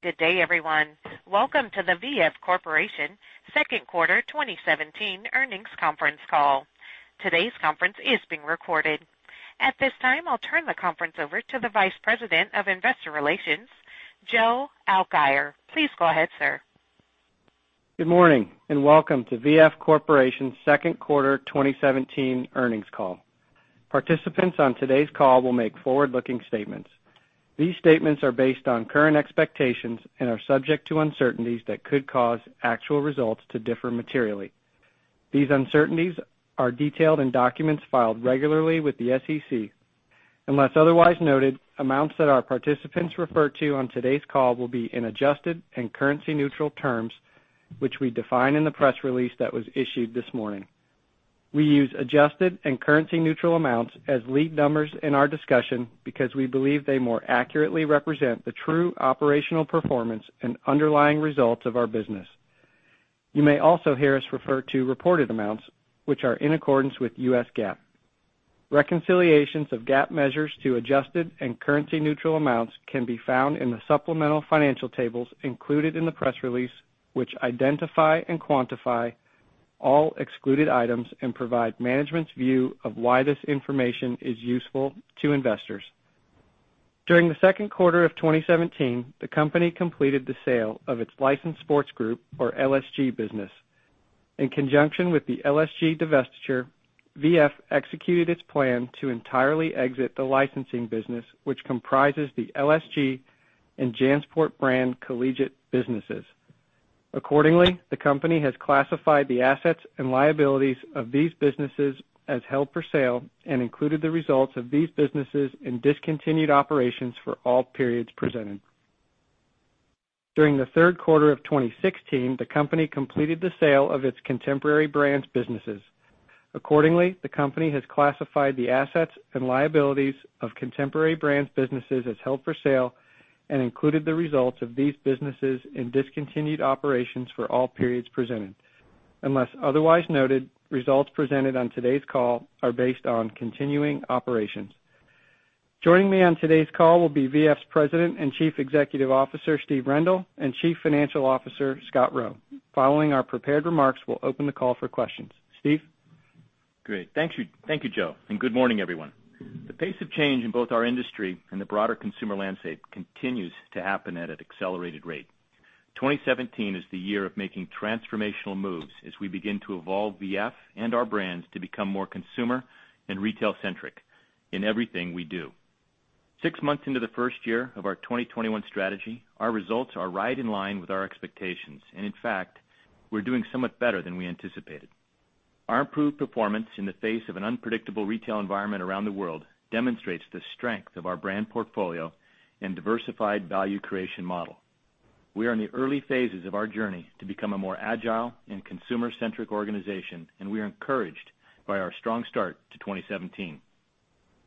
Good day, everyone. Welcome to the V.F. Corporation second quarter 2017 earnings conference call. Today's conference is being recorded. At this time, I'll turn the conference over to the Vice President of Investor Relations, Joe Alkire. Please go ahead, sir. Good morning. Welcome to V.F. Corporation's second quarter 2017 earnings call. Participants on today's call will make forward-looking statements. These statements are based on current expectations and are subject to uncertainties that could cause actual results to differ materially. These uncertainties are detailed in documents filed regularly with the SEC. Unless otherwise noted, amounts that our participants refer to on today's call will be in adjusted and currency-neutral terms, which we define in the press release that was issued this morning. We use adjusted and currency-neutral amounts as lead numbers in our discussion because we believe they more accurately represent the true operational performance and underlying results of our business. You may also hear us refer to reported amounts, which are in accordance with US GAAP. Reconciliations of GAAP measures to adjusted and currency-neutral amounts can be found in the supplemental financial tables included in the press release, which identify and quantify all excluded items and provide management's view of why this information is useful to investors. During the second quarter of 2017, the company completed the sale of its Licensed Sports Group, or LSG business. In conjunction with the LSG divestiture, V.F. executed its plan to entirely exit the licensing business, which comprises the LSG and JanSport brand collegiate businesses. Accordingly, the company has classified the assets and liabilities of these businesses as held for sale and included the results of these businesses in discontinued operations for all periods presented. During the third quarter of 2016, the company completed the sale of its Contemporary Brands businesses. Accordingly, the company has classified the assets and liabilities of Contemporary Brands businesses as held for sale and included the results of these businesses in discontinued operations for all periods presented. Unless otherwise noted, results presented on today's call are based on continuing operations. Joining me on today's call will be V.F.'s President and Chief Executive Officer, Steve Rendle, and Chief Financial Officer, Scott Roe. Following our prepared remarks, we'll open the call for questions. Steve? Great. Thank you, Joe, and good morning, everyone. The pace of change in both our industry and the broader consumer landscape continues to happen at an accelerated rate. 2017 is the year of making transformational moves as we begin to evolve V.F. and our brands to become more consumer and retail-centric in everything we do. Six months into the first year of our 2021 strategy, our results are right in line with our expectations. In fact, we're doing somewhat better than we anticipated. Our improved performance in the face of an unpredictable retail environment around the world demonstrates the strength of our brand portfolio and diversified value creation model. We are in the early phases of our journey to become a more agile and consumer-centric organization, and we are encouraged by our strong start to 2017.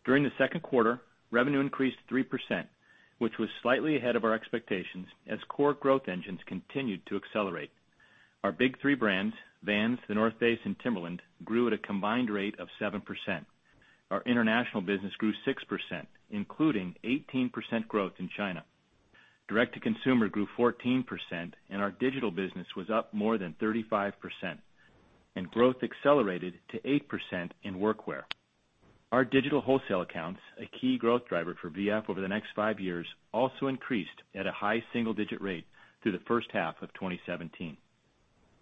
During the second quarter, revenue increased 3%, which was slightly ahead of our expectations as core growth engines continued to accelerate. Our big three brands, Vans, The North Face, and Timberland, grew at a combined rate of 7%. Our international business grew 6%, including 18% growth in China. Direct-to-consumer grew 14%, and our digital business was up more than 35%, and growth accelerated to 8% in Workwear. Our digital wholesale accounts, a key growth driver for V.F. over the next five years, also increased at a high single-digit rate through the first half of 2017.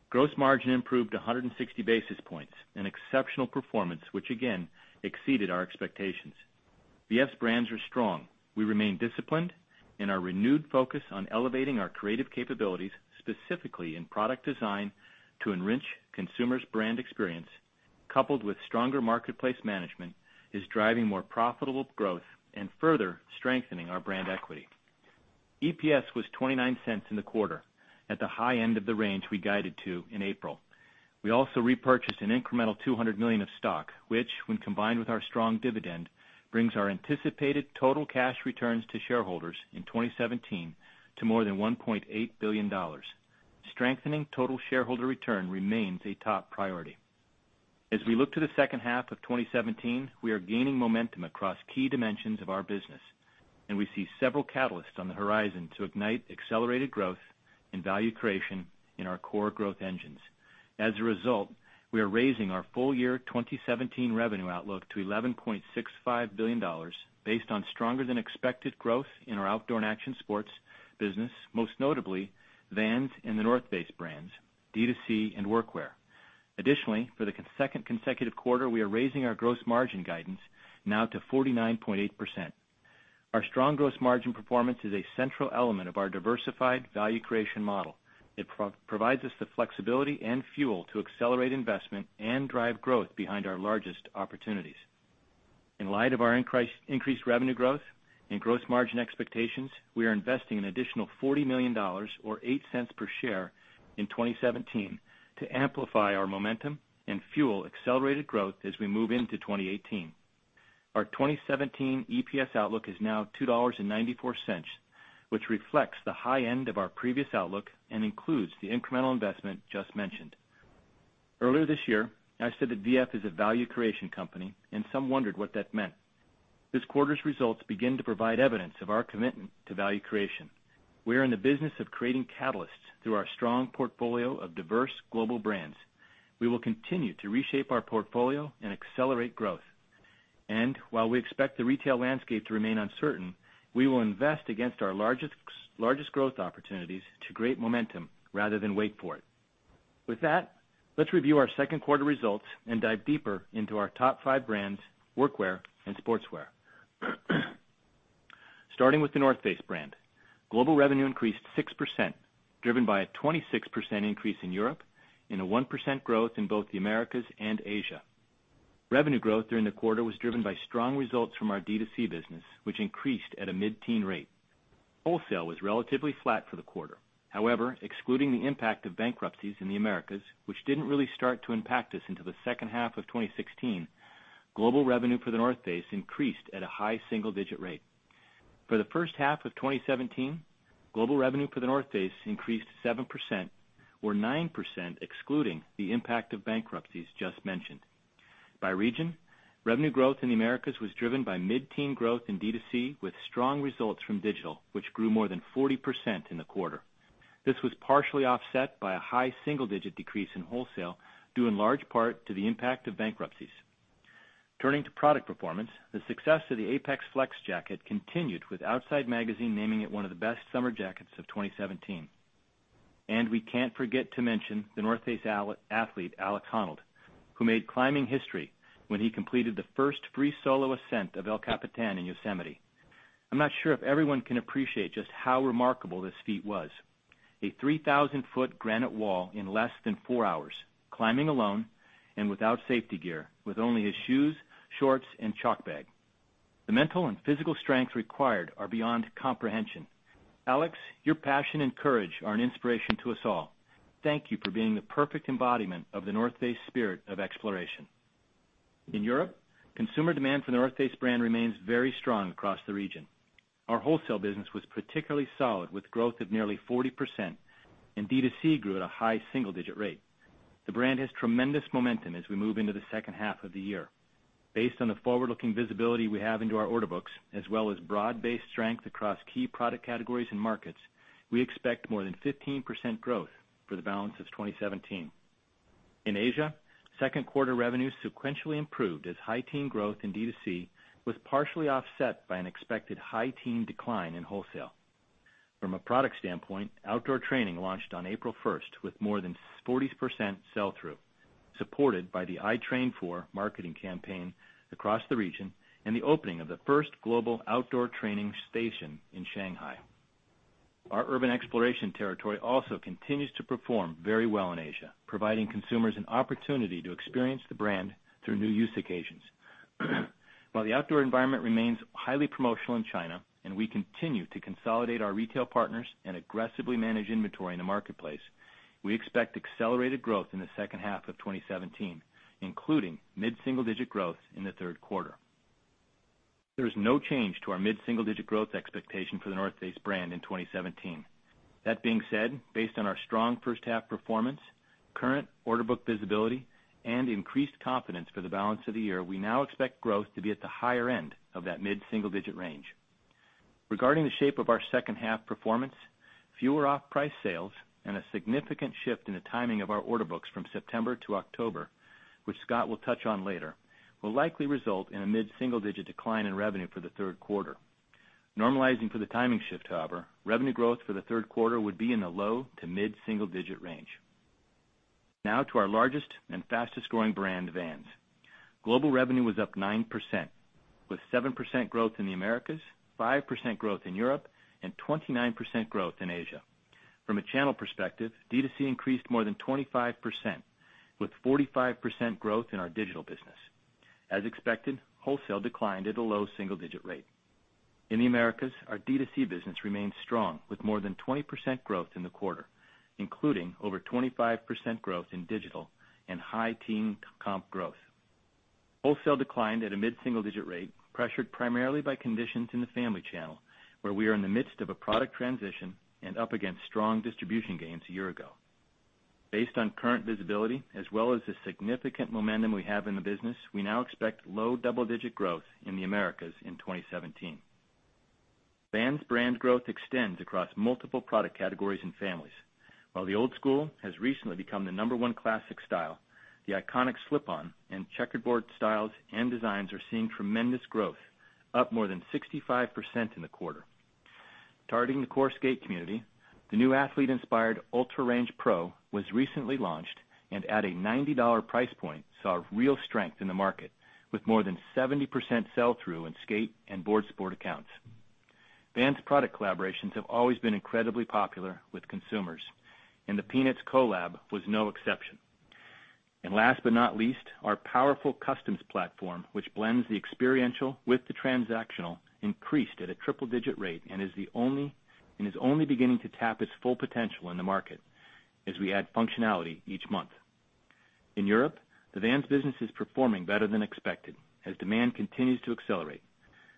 Gross margin improved 160 basis points, an exceptional performance, which again exceeded our expectations. V.F.'s brands are strong. We remain disciplined, our renewed focus on elevating our creative capabilities, specifically in product design to enrich consumers' brand experience, coupled with stronger marketplace management, is driving more profitable growth and further strengthening our brand equity. EPS was $0.29 in the quarter, at the high end of the range we guided to in April. We also repurchased an incremental $200 million of stock, which, when combined with our strong dividend, brings our anticipated total cash returns to shareholders in 2017 to more than $1.8 billion. Strengthening total shareholder return remains a top priority. As we look to the second half of 2017, we are gaining momentum across key dimensions of our business, we see several catalysts on the horizon to ignite accelerated growth and value creation in our core growth engines. As a result, we are raising our full-year 2017 revenue outlook to $11.65 billion based on stronger than expected growth in our Outdoor & Action Sports business, most notably Vans and The North Face brands, D2C, and Workwear. Additionally, for the second consecutive quarter, we are raising our gross margin guidance now to 49.8%. Our strong gross margin performance is a central element of our diversified value creation model. It provides us the flexibility and fuel to accelerate investment and drive growth behind our largest opportunities. In light of our increased revenue growth and gross margin expectations, we are investing an additional $40 million, or $0.08 per share in 2017, to amplify our momentum and fuel accelerated growth as we move into 2018. Our 2017 EPS outlook is now $2.94, which reflects the high end of our previous outlook and includes the incremental investment just mentioned. Earlier this year, I said that V.F. is a value creation company, some wondered what that meant. This quarter's results begin to provide evidence of our commitment to value creation. We are in the business of creating catalysts through our strong portfolio of diverse global brands. We will continue to reshape our portfolio and accelerate growth. While we expect the retail landscape to remain uncertain, we will invest against our largest growth opportunities to create momentum rather than wait for it. With that, let's review our second quarter results and dive deeper into our top five brands, workwear and sportswear. Starting with The North Face brand, global revenue increased 6%, driven by a 26% increase in Europe and a 1% growth in both the Americas and Asia. Revenue growth during the quarter was driven by strong results from our D2C business, which increased at a mid-teen rate. Wholesale was relatively flat for the quarter. However, excluding the impact of bankruptcies in the Americas, which didn't really start to impact us until the second half of 2016, global revenue for The North Face increased at a high single-digit rate. For the first half of 2017, global revenue for The North Face increased 7%, or 9% excluding the impact of bankruptcies just mentioned. By region, revenue growth in the Americas was driven by mid-teen growth in D2C with strong results from digital, which grew more than 40% in the quarter. This was partially offset by a high single-digit decrease in wholesale, due in large part to the impact of bankruptcies. Turning to product performance, the success of the Apex Flex Jacket continued, with Outside Magazine naming it one of the best summer jackets of 2017. We can't forget to mention The North Face athlete, Alex Honnold, who made climbing history when he completed the first free solo ascent of El Capitan in Yosemite. I'm not sure if everyone can appreciate just how remarkable this feat was. A 3,000-foot granite wall in less than four hours, climbing alone and without safety gear, with only his shoes, shorts, and chalk bag. The mental and physical strength required are beyond comprehension. Alex, your passion and courage are an inspiration to us all. Thank you for being the perfect embodiment of The North Face spirit of exploration. In Europe, consumer demand for The North Face brand remains very strong across the region. Our wholesale business was particularly solid, with growth of nearly 40%, and D2C grew at a high single-digit rate. The brand has tremendous momentum as we move into the second half of the year. Based on the forward-looking visibility we have into our order books, as well as broad-based strength across key product categories and markets, we expect more than 15% growth for the balance of 2017. In Asia, second quarter revenues sequentially improved as high teen growth in D2C was partially offset by an expected high teen decline in wholesale. From a product standpoint, outdoor training launched on April 1st with more than 40% sell-through, supported by the I Train For marketing campaign across the region, and the opening of the first global outdoor training station in Shanghai. Our urban exploration territory also continues to perform very well in Asia, providing consumers an opportunity to experience the brand through new use occasions. While the outdoor environment remains highly promotional in China, and we continue to consolidate our retail partners and aggressively manage inventory in the marketplace, we expect accelerated growth in the second half of 2017, including mid-single-digit growth in the third quarter. There is no change to our mid-single-digit growth expectation for The North Face brand in 2017. That being said, based on our strong first half performance, current order book visibility, and increased confidence for the balance of the year, we now expect growth to be at the higher end of that mid-single-digit range. Regarding the shape of our second half performance, fewer off-price sales and a significant shift in the timing of our order books from September to October, which Scott will touch on later, will likely result in a mid-single-digit decline in revenue for the third quarter. Normalizing for the timing shift, however, revenue growth for the third quarter would be in the low to mid-single-digit range. To our largest and fastest-growing brand, Vans. Global revenue was up 9%, with 7% growth in the Americas, 5% growth in Europe, and 29% growth in Asia. From a channel perspective, D2C increased more than 25%, with 45% growth in our digital business. As expected, wholesale declined at a low single-digit rate. In the Americas, our D2C business remains strong with more than 20% growth in the quarter, including over 25% growth in digital and high teen comp growth. Wholesale declined at a mid-single-digit rate, pressured primarily by conditions in the family channel, where we are in the midst of a product transition and up against strong distribution gains a year ago. Based on current visibility as well as the significant momentum we have in the business, we now expect low double-digit growth in the Americas in 2017. Vans brand growth extends across multiple product categories and families. While the Old Skool has recently become the number one classic style, the iconic slip-on and checkerboard styles and designs are seeing tremendous growth, up more than 65% in the quarter. Targeting the core skate community, the new athlete-inspired UltraRange Pro was recently launched, and at a $90 price point, saw real strength in the market, with more than 70% sell-through in skate and board sport accounts. Vans product collaborations have always been incredibly popular with consumers, and the Peanuts collab was no exception. Last but not least, our powerful customs platform, which blends the experiential with the transactional, increased at a triple-digit rate and is only beginning to tap its full potential in the market as we add functionality each month. In Europe, the Vans business is performing better than expected as demand continues to accelerate.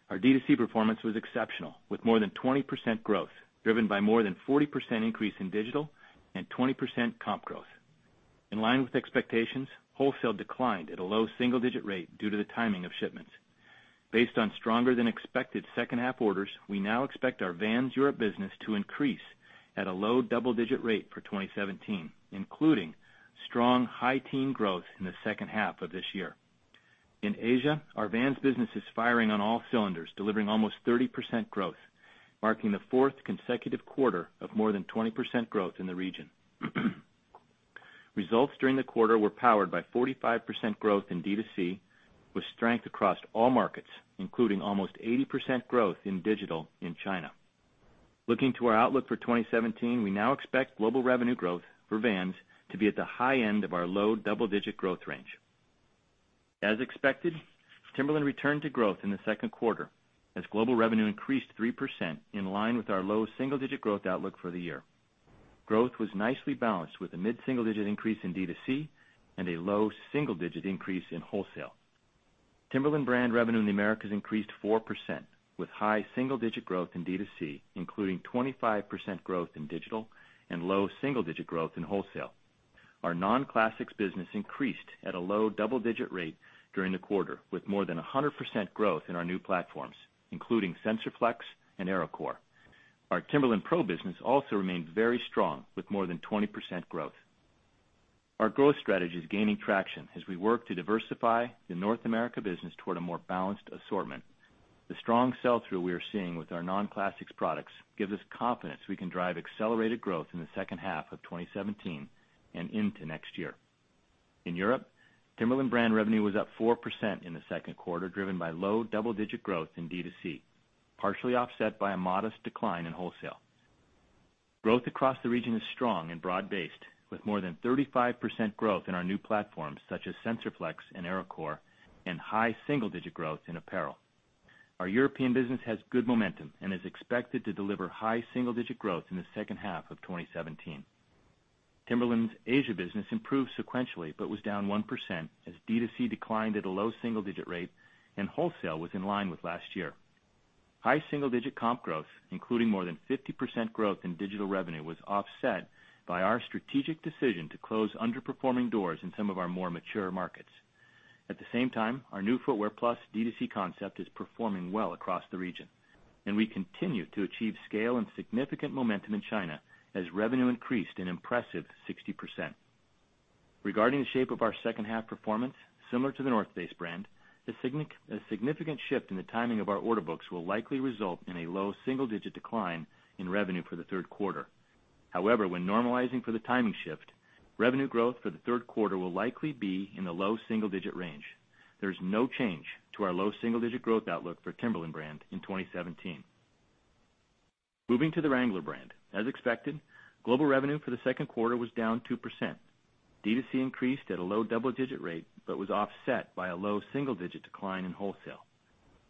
Our D2C performance was exceptional, with more than 20% growth, driven by more than 40% increase in digital and 20% comp growth. In line with expectations, wholesale declined at a low single-digit rate due to the timing of shipments. Based on stronger than expected second half orders, we now expect our Vans Europe business to increase at a low double-digit rate for 2017, including strong high teen growth in the second half of this year. In Asia, our Vans business is firing on all cylinders, delivering almost 30% growth, marking the fourth consecutive quarter of more than 20% growth in the region. Results during the quarter were powered by 45% growth in D2C, with strength across all markets, including almost 80% growth in digital in China. Looking to our outlook for 2017, we now expect global revenue growth for Vans to be at the high end of our low double-digit growth range. As expected, Timberland returned to growth in the second quarter as global revenue increased 3%, in line with our low single-digit growth outlook for the year. Growth was nicely balanced with a mid-single-digit increase in D2C and a low single-digit increase in wholesale. Timberland brand revenue in the Americas increased 4%, with high single-digit growth in D2C, including 25% growth in digital and low single-digit growth in wholesale. Our Non-Classics business increased at a low double-digit rate during the quarter, with more than 100% growth in our new platforms, including SensorFlex and AeroCore. Our Timberland PRO business also remains very strong with more than 20% growth. Our growth strategy is gaining traction as we work to diversify the North America business toward a more balanced assortment. The strong sell-through we are seeing with our Non-Classics products gives us confidence we can drive accelerated growth in the second half of 2017 and into next year. In Europe, Timberland brand revenue was up 4% in the second quarter, driven by low double-digit growth in D2C, partially offset by a modest decline in wholesale. Growth across the region is strong and broad-based, with more than 35% growth in our new platforms such as SensorFlex and AeroCore and high single-digit growth in apparel. Our European business has good momentum and is expected to deliver high double-digit growth in the second half of 2017. Timberland's Asia business improved sequentially but was down 1% as D2C declined at a low single-digit rate and wholesale was in line with last year. High single-digit comp growth, including more than 50% growth in digital revenue, was offset by our strategic decision to close underperforming doors in some of our more mature markets. At the same time, our new Footwear Plus D2C concept is performing well across the region, and we continue to achieve scale and significant momentum in China as revenue increased an impressive 60%. Regarding the shape of our second half performance, similar to The North Face brand, a significant shift in the timing of our order books will likely result in a low single-digit decline in revenue for the third quarter. However, when normalizing for the timing shift, revenue growth for the third quarter will likely be in the low single-digit range. There is no change to our low single-digit growth outlook for Timberland brand in 2017. Moving to the Wrangler brand, as expected, global revenue for the second quarter was down 2%. D2C increased at a low double-digit rate, but was offset by a low single-digit decline in wholesale.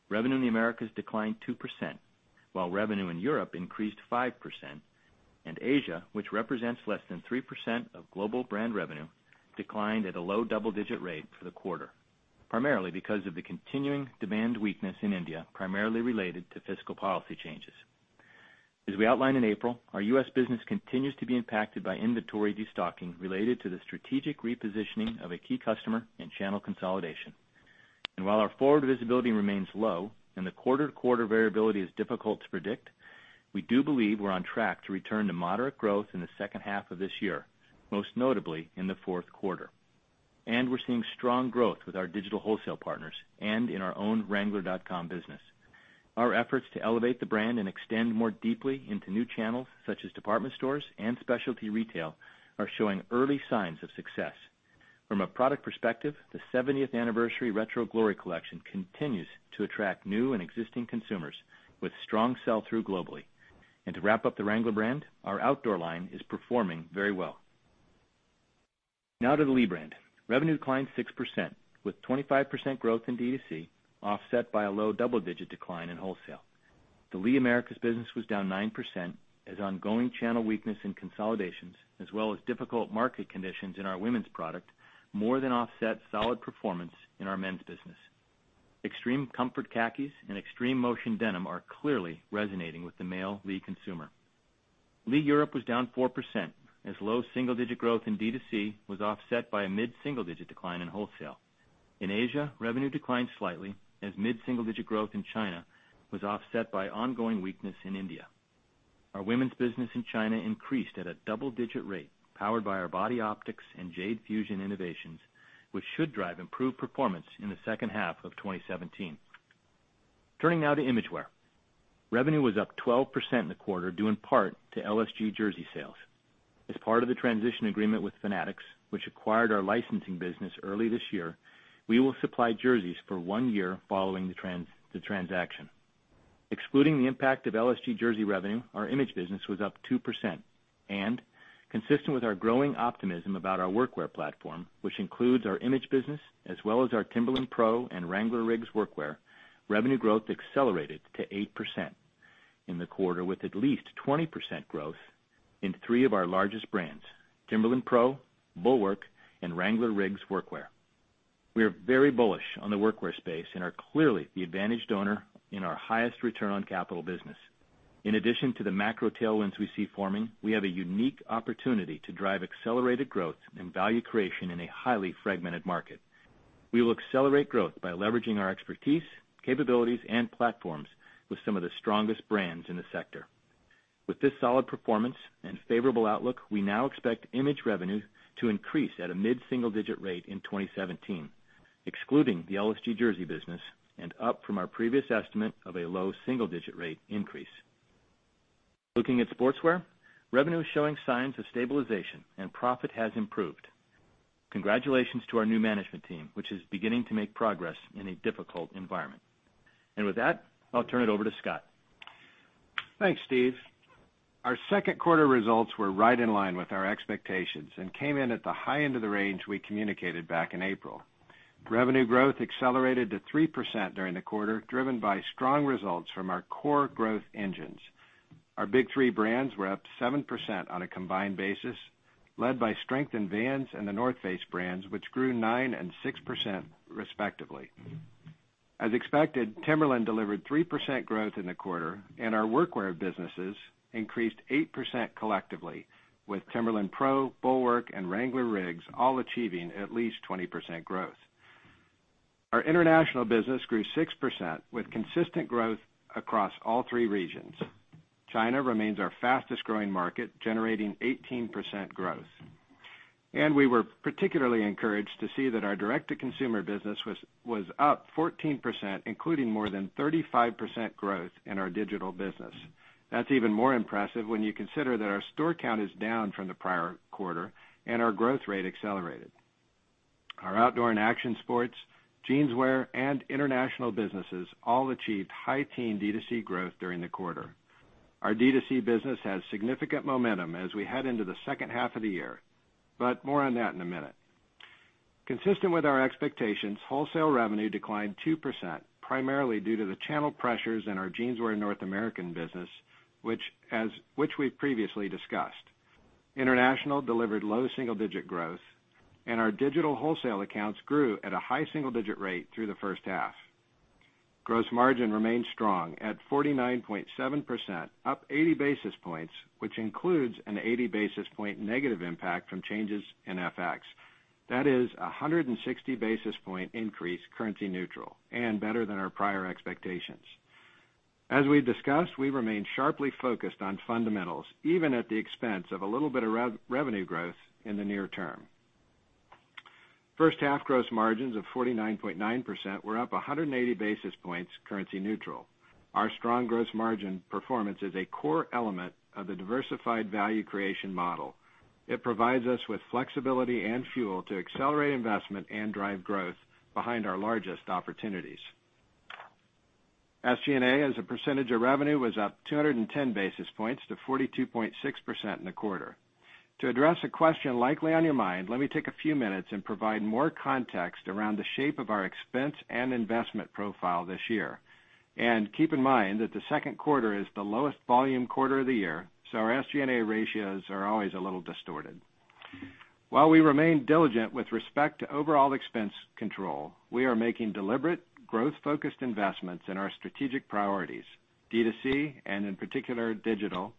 Revenue in the Americas declined 2%, while revenue in Europe increased 5%, and Asia, which represents less than 3% of global brand revenue, declined at a low double-digit rate for the quarter, primarily because of the continuing demand weakness in India, primarily related to fiscal policy changes. As we outlined in April, our U.S. business continues to be impacted by inventory destocking related to the strategic repositioning of a key customer and channel consolidation. While our forward visibility remains low and the quarter-to-quarter variability is difficult to predict, we do believe we are on track to return to moderate growth in the second half of this year, most notably in the fourth quarter. We are seeing strong growth with our digital wholesale partners and in our own wrangler.com business. Our efforts to elevate the brand and extend more deeply into new channels, such as department stores and specialty retail, are showing early signs of success. From a product perspective, the 70th anniversary Retro Glory collection continues to attract new and existing consumers with strong sell-through globally. To wrap up the Wrangler brand, our outdoor line is performing very well. Now to the Lee brand. Revenue declined 6%, with 25% growth in D2C offset by a low double-digit decline in wholesale. The Lee Americas business was down 9% as ongoing channel weakness and consolidations, as well as difficult market conditions in our women's product, more than offset solid performance in our men's business. Extreme Comfort khakis and Extreme Motion denim are clearly resonating with the male Lee consumer. Lee Europe was down 4% as low single-digit growth in D2C was offset by a mid-single-digit decline in wholesale. In Asia, revenue declined slightly as mid-single-digit growth in China was offset by ongoing weakness in India. Our women's business in China increased at a double-digit rate, powered by our Body Optix and Jade Fusion innovations, which should drive improved performance in the second half of 2017. Turning now to Imagewear. Revenue was up 12% in the quarter, due in part to LSG jersey sales. As part of the transition agreement with Fanatics, which acquired our licensing business early this year, we will supply jerseys for one year following the transaction. Excluding the impact of LSG jersey revenue, our Imagewear business was up 2%. Consistent with our growing optimism about our workwear platform, which includes our Imagewear business as well as our Timberland PRO and Wrangler Riggs Workwear, revenue growth accelerated to 8%. In the quarter with at least 20% growth in three of our largest brands, Timberland PRO, Bulwark, and Wrangler Riggs Workwear. We are very bullish on the workwear space and are clearly the advantaged owner in our highest return on capital business. In addition to the macro tailwinds we see forming, we have a unique opportunity to drive accelerated growth and value creation in a highly fragmented market. We will accelerate growth by leveraging our expertise, capabilities, and platforms with some of the strongest brands in the sector. With this solid performance and favorable outlook, we now expect Imagewear revenue to increase at a mid-single-digit rate in 2017, excluding the LSG Jersey business, and up from our previous estimate of a low single-digit rate increase. Looking at sportswear, revenue is showing signs of stabilization, and profit has improved. Congratulations to our new management team, which is beginning to make progress in a difficult environment. With that, I will turn it over to Scott. Thanks, Steve. Our second quarter results were right in line with our expectations and came in at the high end of the range we communicated back in April. Revenue growth accelerated to 3% during the quarter, driven by strong results from our core growth engines. Our big three brands were up 7% on a combined basis, led by strength in Vans and The North Face brands, which grew 9% and 6% respectively. As expected, Timberland delivered 3% growth in the quarter, and our workwear businesses increased 8% collectively, with Timberland PRO, Bulwark, and Wrangler Riggs all achieving at least 20% growth. Our international business grew 6%, with consistent growth across all three regions. China remains our fastest-growing market, generating 18% growth. We were particularly encouraged to see that our direct-to-consumer business was up 14%, including more than 35% growth in our digital business. That's even more impressive when you consider that our store count is down from the prior quarter and our growth rate accelerated. Our Outdoor & Action Sports, Jeanswear, and international businesses all achieved high teen D2C growth during the quarter. Our D2C business has significant momentum as we head into the second half of the year, more on that in a minute. Consistent with our expectations, wholesale revenue declined 2%, primarily due to the channel pressures in our Jeanswear North American business, which we've previously discussed. International delivered low single-digit growth, and our digital wholesale accounts grew at a high single-digit rate through the first half. Gross margin remained strong at 49.7%, up 80 basis points, which includes an 80 basis point negative impact from changes in FX. That is a 160 basis point increase currency-neutral and better than our prior expectations. As we discussed, we remain sharply focused on fundamentals, even at the expense of a little bit of revenue growth in the near term. First half gross margins of 49.9% were up 180 basis points currency-neutral. Our strong gross margin performance is a core element of the diversified value creation model. It provides us with flexibility and fuel to accelerate investment and drive growth behind our largest opportunities. SG&A as a percentage of revenue was up 210 basis points to 42.6% in the quarter. To address a question likely on your mind, let me take a few minutes and provide more context around the shape of our expense and investment profile this year. Keep in mind that the second quarter is the lowest volume quarter of the year, so our SG&A ratios are always a little distorted. While we remain diligent with respect to overall expense control, we are making deliberate growth-focused investments in our strategic priorities, D2C, and in particular digital,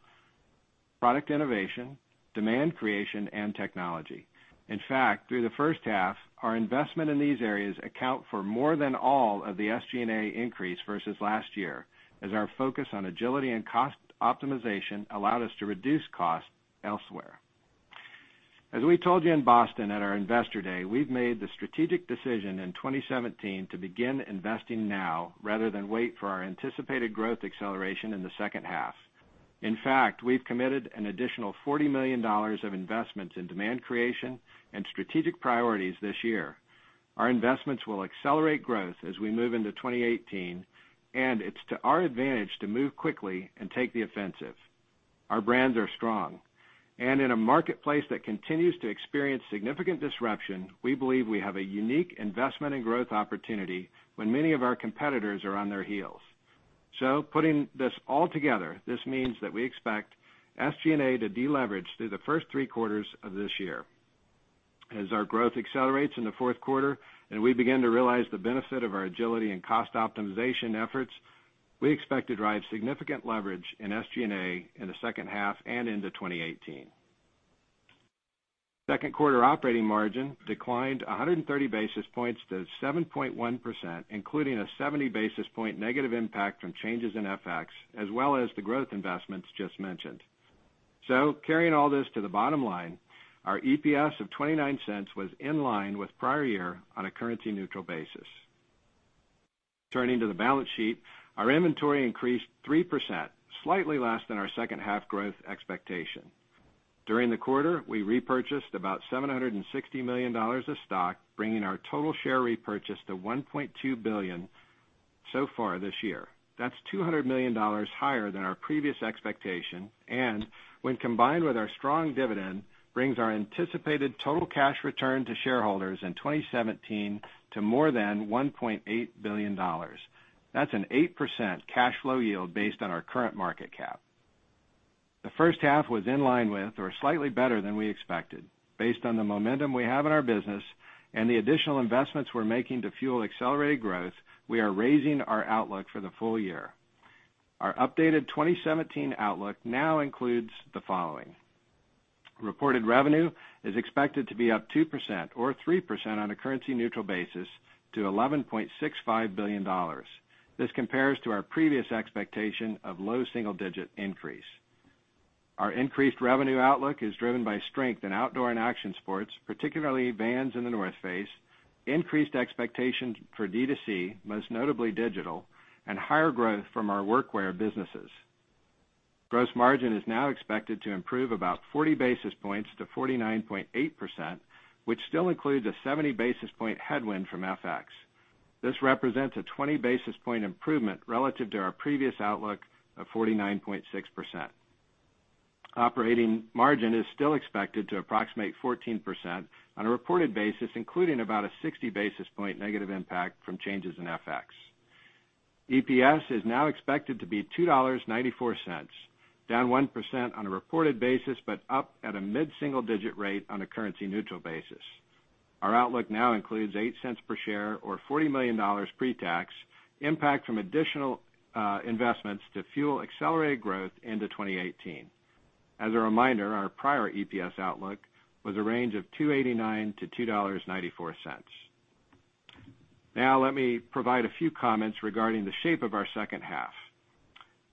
product innovation, demand creation, and technology. In fact, through the first half, our investment in these areas account for more than all of the SG&A increase versus last year, as our focus on agility and cost optimization allowed us to reduce costs elsewhere. As we told you in Boston at our Investor Day, we've made the strategic decision in 2017 to begin investing now rather than wait for our anticipated growth acceleration in the second half. In fact, we've committed an additional $40 million of investments in demand creation and strategic priorities this year. Our investments will accelerate growth as we move into 2018, and it's to our advantage to move quickly and take the offensive. Our brands are strong. In a marketplace that continues to experience significant disruption, we believe we have a unique investment and growth opportunity when many of our competitors are on their heels. Putting this all together, this means that we expect SG&A to deleverage through the first three quarters of this year. As our growth accelerates in the fourth quarter and we begin to realize the benefit of our agility and cost optimization efforts, we expect to drive significant leverage in SG&A in the second half and into 2018. Second quarter operating margin declined 130 basis points to 7.1%, including a 70 basis point negative impact from changes in FX, as well as the growth investments just mentioned. Carrying all this to the bottom line, our EPS of $0.29 was in line with prior year on a currency-neutral basis. Turning to the balance sheet, our inventory increased 3%, slightly less than our second half growth expectation. During the quarter, we repurchased about $760 million of stock, bringing our total share repurchase to $1.2 billion so far this year. That's $200 million higher than our previous expectation and, when combined with our strong dividend, brings our anticipated total cash return to shareholders in 2017 to more than $1.8 billion. That's an 8% cash flow yield based on our current market cap. The first half was in line with, or slightly better than we expected. Based on the momentum we have in our business and the additional investments we're making to fuel accelerated growth, we are raising our outlook for the full year. Our updated 2017 outlook now includes the following. Reported revenue is expected to be up 2% or 3% on a currency-neutral basis to $11.65 billion. This compares to our previous expectation of low single-digit increase. Our increased revenue outlook is driven by strength in Outdoor & Action Sports, particularly Vans and The North Face, increased expectations for D2C, most notably digital, and higher growth from our workwear businesses. Gross margin is now expected to improve about 40 basis points to 49.8%, which still includes a 70 basis point headwind from FX. This represents a 20 basis point improvement relative to our previous outlook of 49.6%. Operating margin is still expected to approximate 14% on a reported basis, including about a 60 basis point negative impact from changes in FX. EPS is now expected to be $2.94, down 1% on a reported basis, but up at a mid-single-digit rate on a currency-neutral basis. Our outlook now includes $0.08 per share or $40 million pre-tax, impact from additional investments to fuel accelerated growth into 2018. As a reminder, our prior EPS outlook was a range of $2.89 to $2.94. Let me provide a few comments regarding the shape of our second half.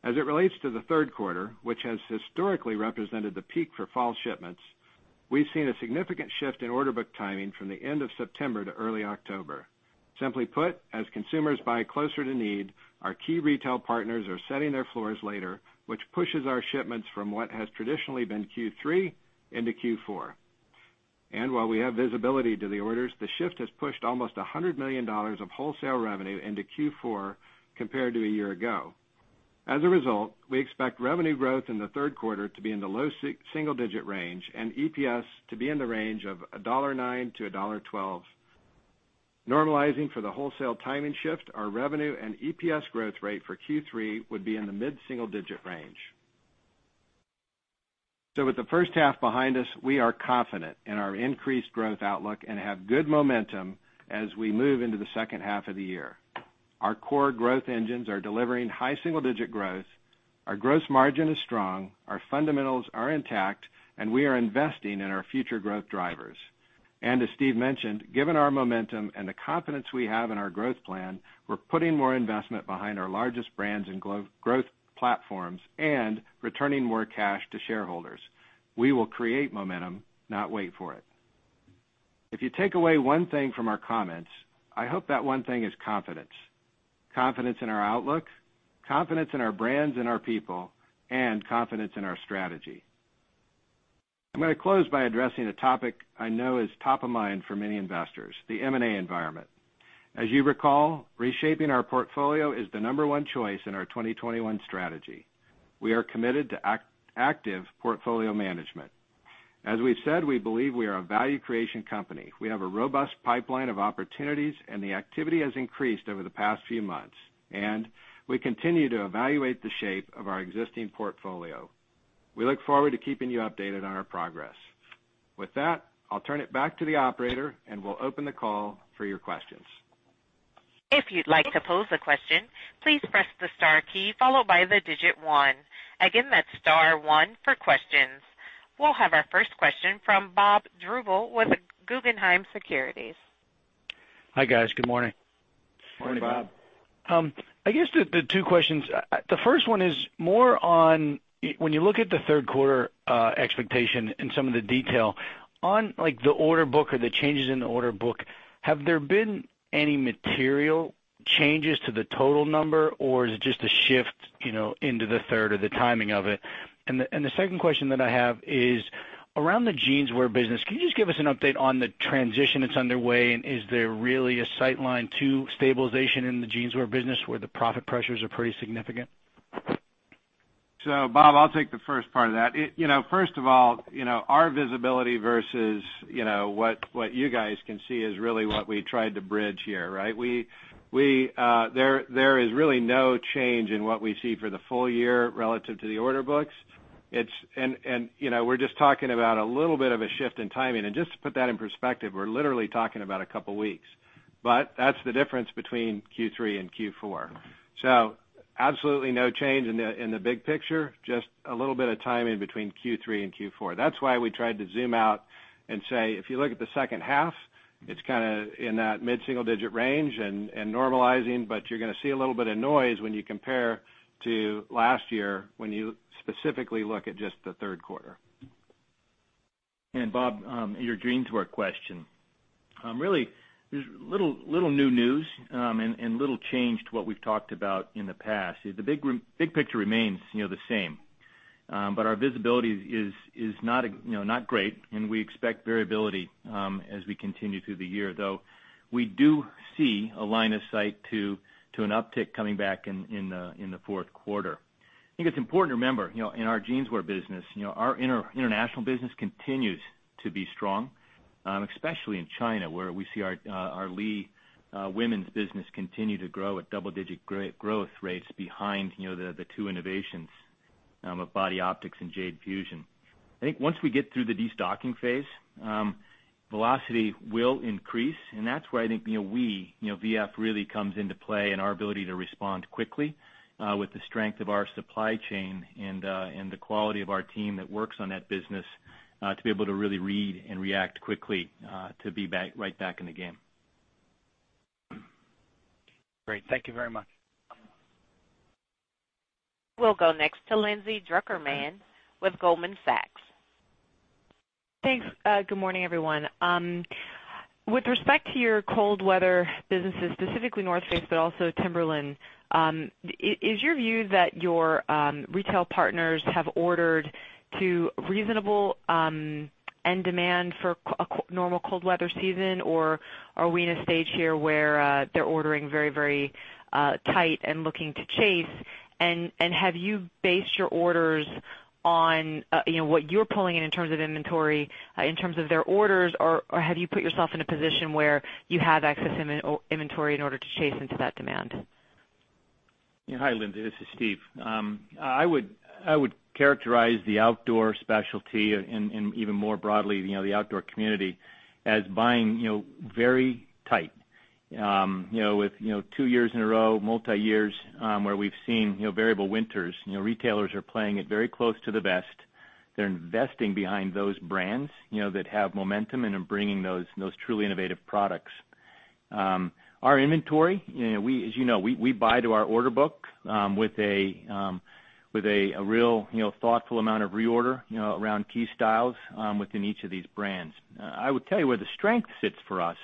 As it relates to the third quarter, which has historically represented the peak for fall shipments, we've seen a significant shift in order book timing from the end of September to early October. Simply put, as consumers buy closer to need, our key retail partners are setting their floors later, which pushes our shipments from what has traditionally been Q3 into Q4. While we have visibility to the orders, the shift has pushed almost $100 million of wholesale revenue into Q4 compared to a year ago. As a result, we expect revenue growth in the third quarter to be in the low single-digit range and EPS to be in the range of $1.09 to $1.12. Normalizing for the wholesale timing shift, our revenue and EPS growth rate for Q3 would be in the mid-single-digit range. With the first half behind us, we are confident in our increased growth outlook and have good momentum as we move into the second half of the year. Our core growth engines are delivering high single-digit growth, our gross margin is strong, our fundamentals are intact, and we are investing in our future growth drivers. As Steve mentioned, given our momentum and the confidence we have in our growth plan, we're putting more investment behind our largest brands and growth platforms and returning more cash to shareholders. We will create momentum, not wait for it. If you take away one thing from our comments, I hope that one thing is confidence. Confidence in our outlook, confidence in our brands and our people, and confidence in our strategy. I'm going to close by addressing a topic I know is top of mind for many investors, the M&A environment. As you recall, reshaping our portfolio is the number one choice in our 2021 strategy. We are committed to active portfolio management. As we've said, we believe we are a value creation company. We have a robust pipeline of opportunities, the activity has increased over the past few months, and we continue to evaluate the shape of our existing portfolio. We look forward to keeping you updated on our progress. With that, I'll turn it back to the operator and we'll open the call for your questions. If you'd like to pose a question, please press the star key followed by the digit 1. Again, that's star 1 for questions. We'll have our first question from Bob Drbul with Guggenheim Securities. Hi, guys. Good morning. Morning, Bob. I guess the two questions. The first one is more on when you look at the third quarter expectation and some of the detail. On the order book or the changes in the order book, have there been any material changes to the total number, or is it just a shift into the third or the timing of it? The second question that I have is around the Jeanswear business. Can you just give us an update on the transition that's underway, and is there really a sight line to stabilization in the Jeanswear business where the profit pressures are pretty significant? Bob, I'll take the first part of that. First of all, our visibility versus what you guys can see is really what we tried to bridge here, right? There is really no change in what we see for the full year relative to the order books. We're just talking about a little bit of a shift in timing. Just to put that in perspective, we're literally talking about a couple of weeks. That's the difference between Q3 and Q4. Absolutely no change in the big picture, just a little bit of timing between Q3 and Q4. That's why we tried to zoom out and say, if you look at the second half, it's in that mid-single digit range and normalizing, but you're going to see a little bit of noise when you compare to last year when you specifically look at just the third quarter. Bob, your Jeanswear question. Really, there's little new news and little change to what we've talked about in the past. The big picture remains the same. Our visibility is not great, and we expect variability as we continue through the year. Though we do see a line of sight to an uptick coming back in the fourth quarter. I think it's important to remember, in our Jeanswear business, our international business continues to be strong, especially in China, where we see our Lee women's business continue to grow at double-digit growth rates behind the two innovations of Body Optix and Jade Fusion. I think once we get through the destocking phase, velocity will increase, and that's where I think we, V.F., really comes into play and our ability to respond quickly with the strength of our supply chain and the quality of our team that works on that business to be able to really read and react quickly to be right back in the game. Great. Thank you very much. We'll go next to Lindsay Drucker Mann with Goldman Sachs. Thanks. Good morning, everyone. With respect to your cold weather businesses, specifically North Face, but also Timberland, is your view that your retail partners have ordered to reasonable end demand for a normal cold weather season, or are we in a stage here where they're ordering very tight and looking to chase? Have you based your orders on what you're pulling in terms of inventory, in terms of their orders, or have you put yourself in a position where you have excess inventory in order to chase into that demand? Yeah. Hi, Lindsay. This is Steve. I would characterize the outdoor specialty, and even more broadly, the outdoor community, as buying very tight. With two years in a row, multi-years, where we've seen variable winters, retailers are playing it very close to the vest. They're investing behind those brands that have momentum and are bringing those truly innovative products. Our inventory, as you know, we buy to our order book with a real thoughtful amount of reorder around key styles within each of these brands. I would tell you where the strength sits for us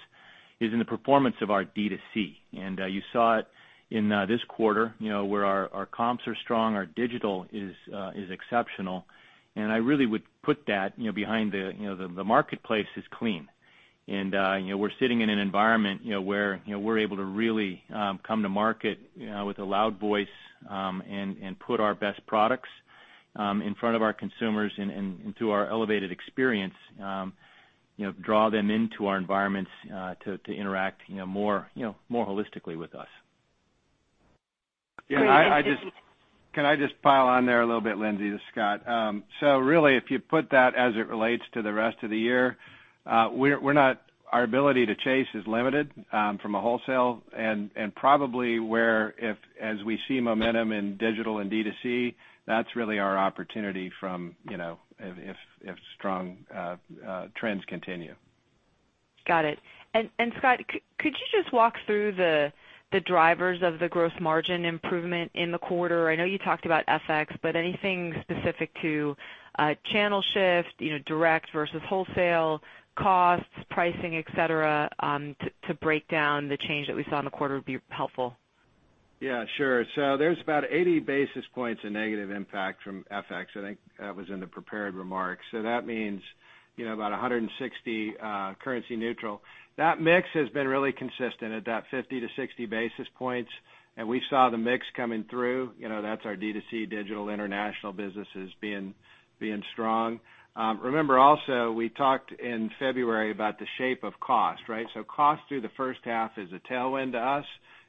is in the performance of our D2C. And you saw it in this quarter, where our comps are strong, our digital is exceptional, and I really would put that behind the marketplace is clean. We're sitting in an environment where we're able to really come to market with a loud voice and put our best products in front of our consumers and through our elevated experience, draw them into our environments to interact more holistically with us. Great. Thank you. Can I just pile on there a little bit, Lindsay? This is Scott. Really, if you put that as it relates to the rest of the year, our ability to chase is limited from a wholesale and probably where as we see momentum in digital and D2C, that's really our opportunity if strong trends continue. Got it. Scott, could you just walk through the drivers of the gross margin improvement in the quarter? I know you talked about FX, but anything specific to channel shift, direct versus wholesale costs, pricing, et cetera, to break down the change that we saw in the quarter would be helpful. Yeah, sure. There's about 80 basis points of negative impact from FX. I think that was in the prepared remarks. That means about 160 currency neutral. That mix has been really consistent at that 50 to 60 basis points, and we saw the mix coming through. That's our D2C digital international businesses being strong. Remember also, we talked in February about the shape of cost, right? Cost through the first half is a tailwind to us.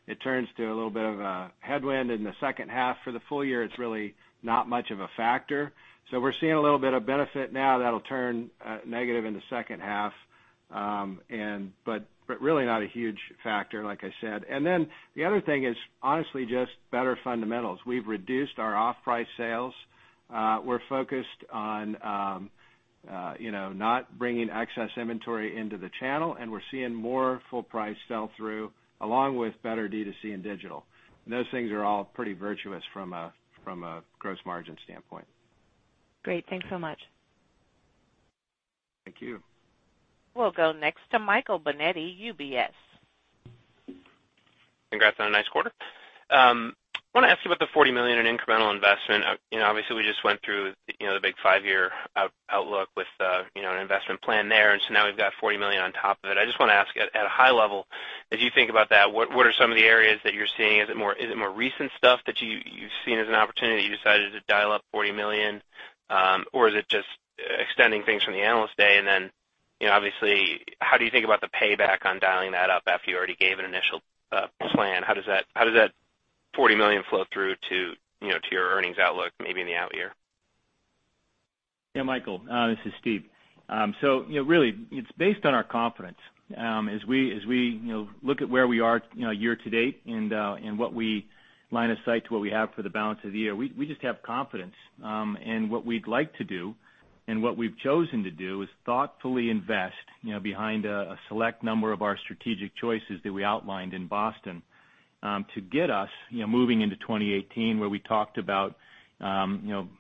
It turns to a little bit of a headwind in the second half. For the full year, it's really not much of a factor. We're seeing a little bit of benefit now that'll turn negative in the second half. Really not a huge factor, like I said. The other thing is honestly just better fundamentals. We've reduced our off-price sales. We're focused on not bringing excess inventory into the channel, and we're seeing more full price sell through along with better D2C and digital. Those things are all pretty virtuous from a gross margin standpoint. Great. Thanks so much. Thank you. We'll go next to Michael Binetti, UBS. Congrats on a nice quarter. I want to ask you about the $40 million in incremental investment. Obviously, we just went through the big five-year outlook with an investment plan there. Now we've got $40 million on top of it. I just want to ask, at a high level, as you think about that, what are some of the areas that you're seeing? Is it more recent stuff that you've seen as an opportunity that you decided to dial up $40 million? Or is it just extending things from the Analyst Day? Obviously, how do you think about the payback on dialing that up after you already gave an initial plan? How does that $40 million flow through to your earnings outlook maybe in the out year? Yeah, Michael, this is Steve. Really, it's based on our confidence. As we look at where we are year-to-date and line of sight to what we have for the balance of the year, we just have confidence. What we'd like to do and what we've chosen to do is thoughtfully invest behind a select number of our strategic choices that we outlined in Boston to get us moving into 2018, where we talked about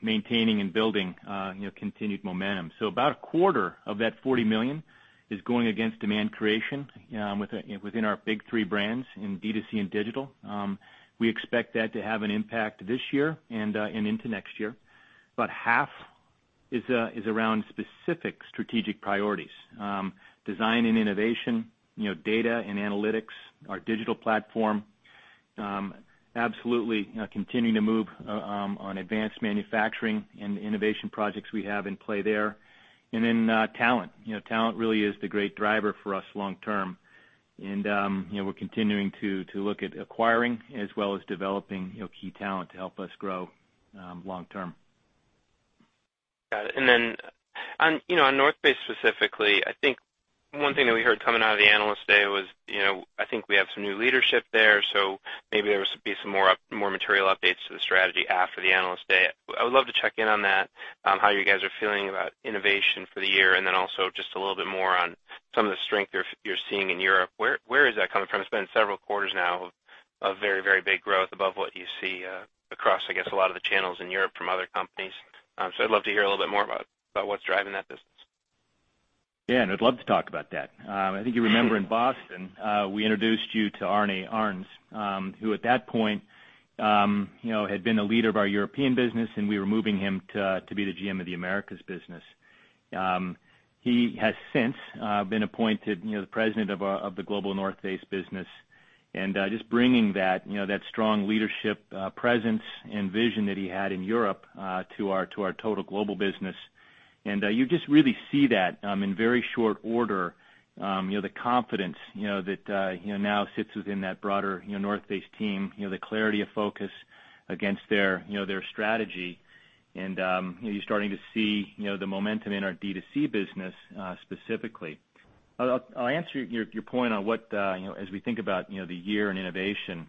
maintaining and building continued momentum. About a quarter of that $40 million is going against demand creation within our big three brands in D2C and digital. We expect that to have an impact this year and into next year. About half is around specific strategic priorities. Design and innovation, data and analytics, our digital platform. Absolutely continuing to move on advanced manufacturing and the innovation projects we have in play there. Talent. Talent really is the great driver for us long term. We're continuing to look at acquiring as well as developing key talent to help us grow long term. Got it. On The North Face specifically, I think one thing that we heard coming out of the Analyst Day was, I think we have some new leadership there, so maybe there will be some more material updates to the strategy after the Analyst Day. I would love to check in on that, how you guys are feeling about innovation for the year, then also just a little bit more on some of the strength you're seeing in Europe. Where is that coming from? It's been several quarters now of very big growth above what you see across, I guess, a lot of the channels in Europe from other companies. I'd love to hear a little bit more about what's driving that business. Yeah. I'd love to talk about that. I think you remember in Boston, we introduced you to Arne Arens, who at that point had been the leader of our European business, and we were moving him to be the GM of the Americas business. He has since been appointed the president of the global The North Face business, just bringing that strong leadership presence and vision that he had in Europe to our total global business. You just really see that in very short order, the confidence that now sits within that broader The North Face team, the clarity of focus against their strategy. You're starting to see the momentum in our D2C business, specifically. I'll answer your point on as we think about the year in innovation.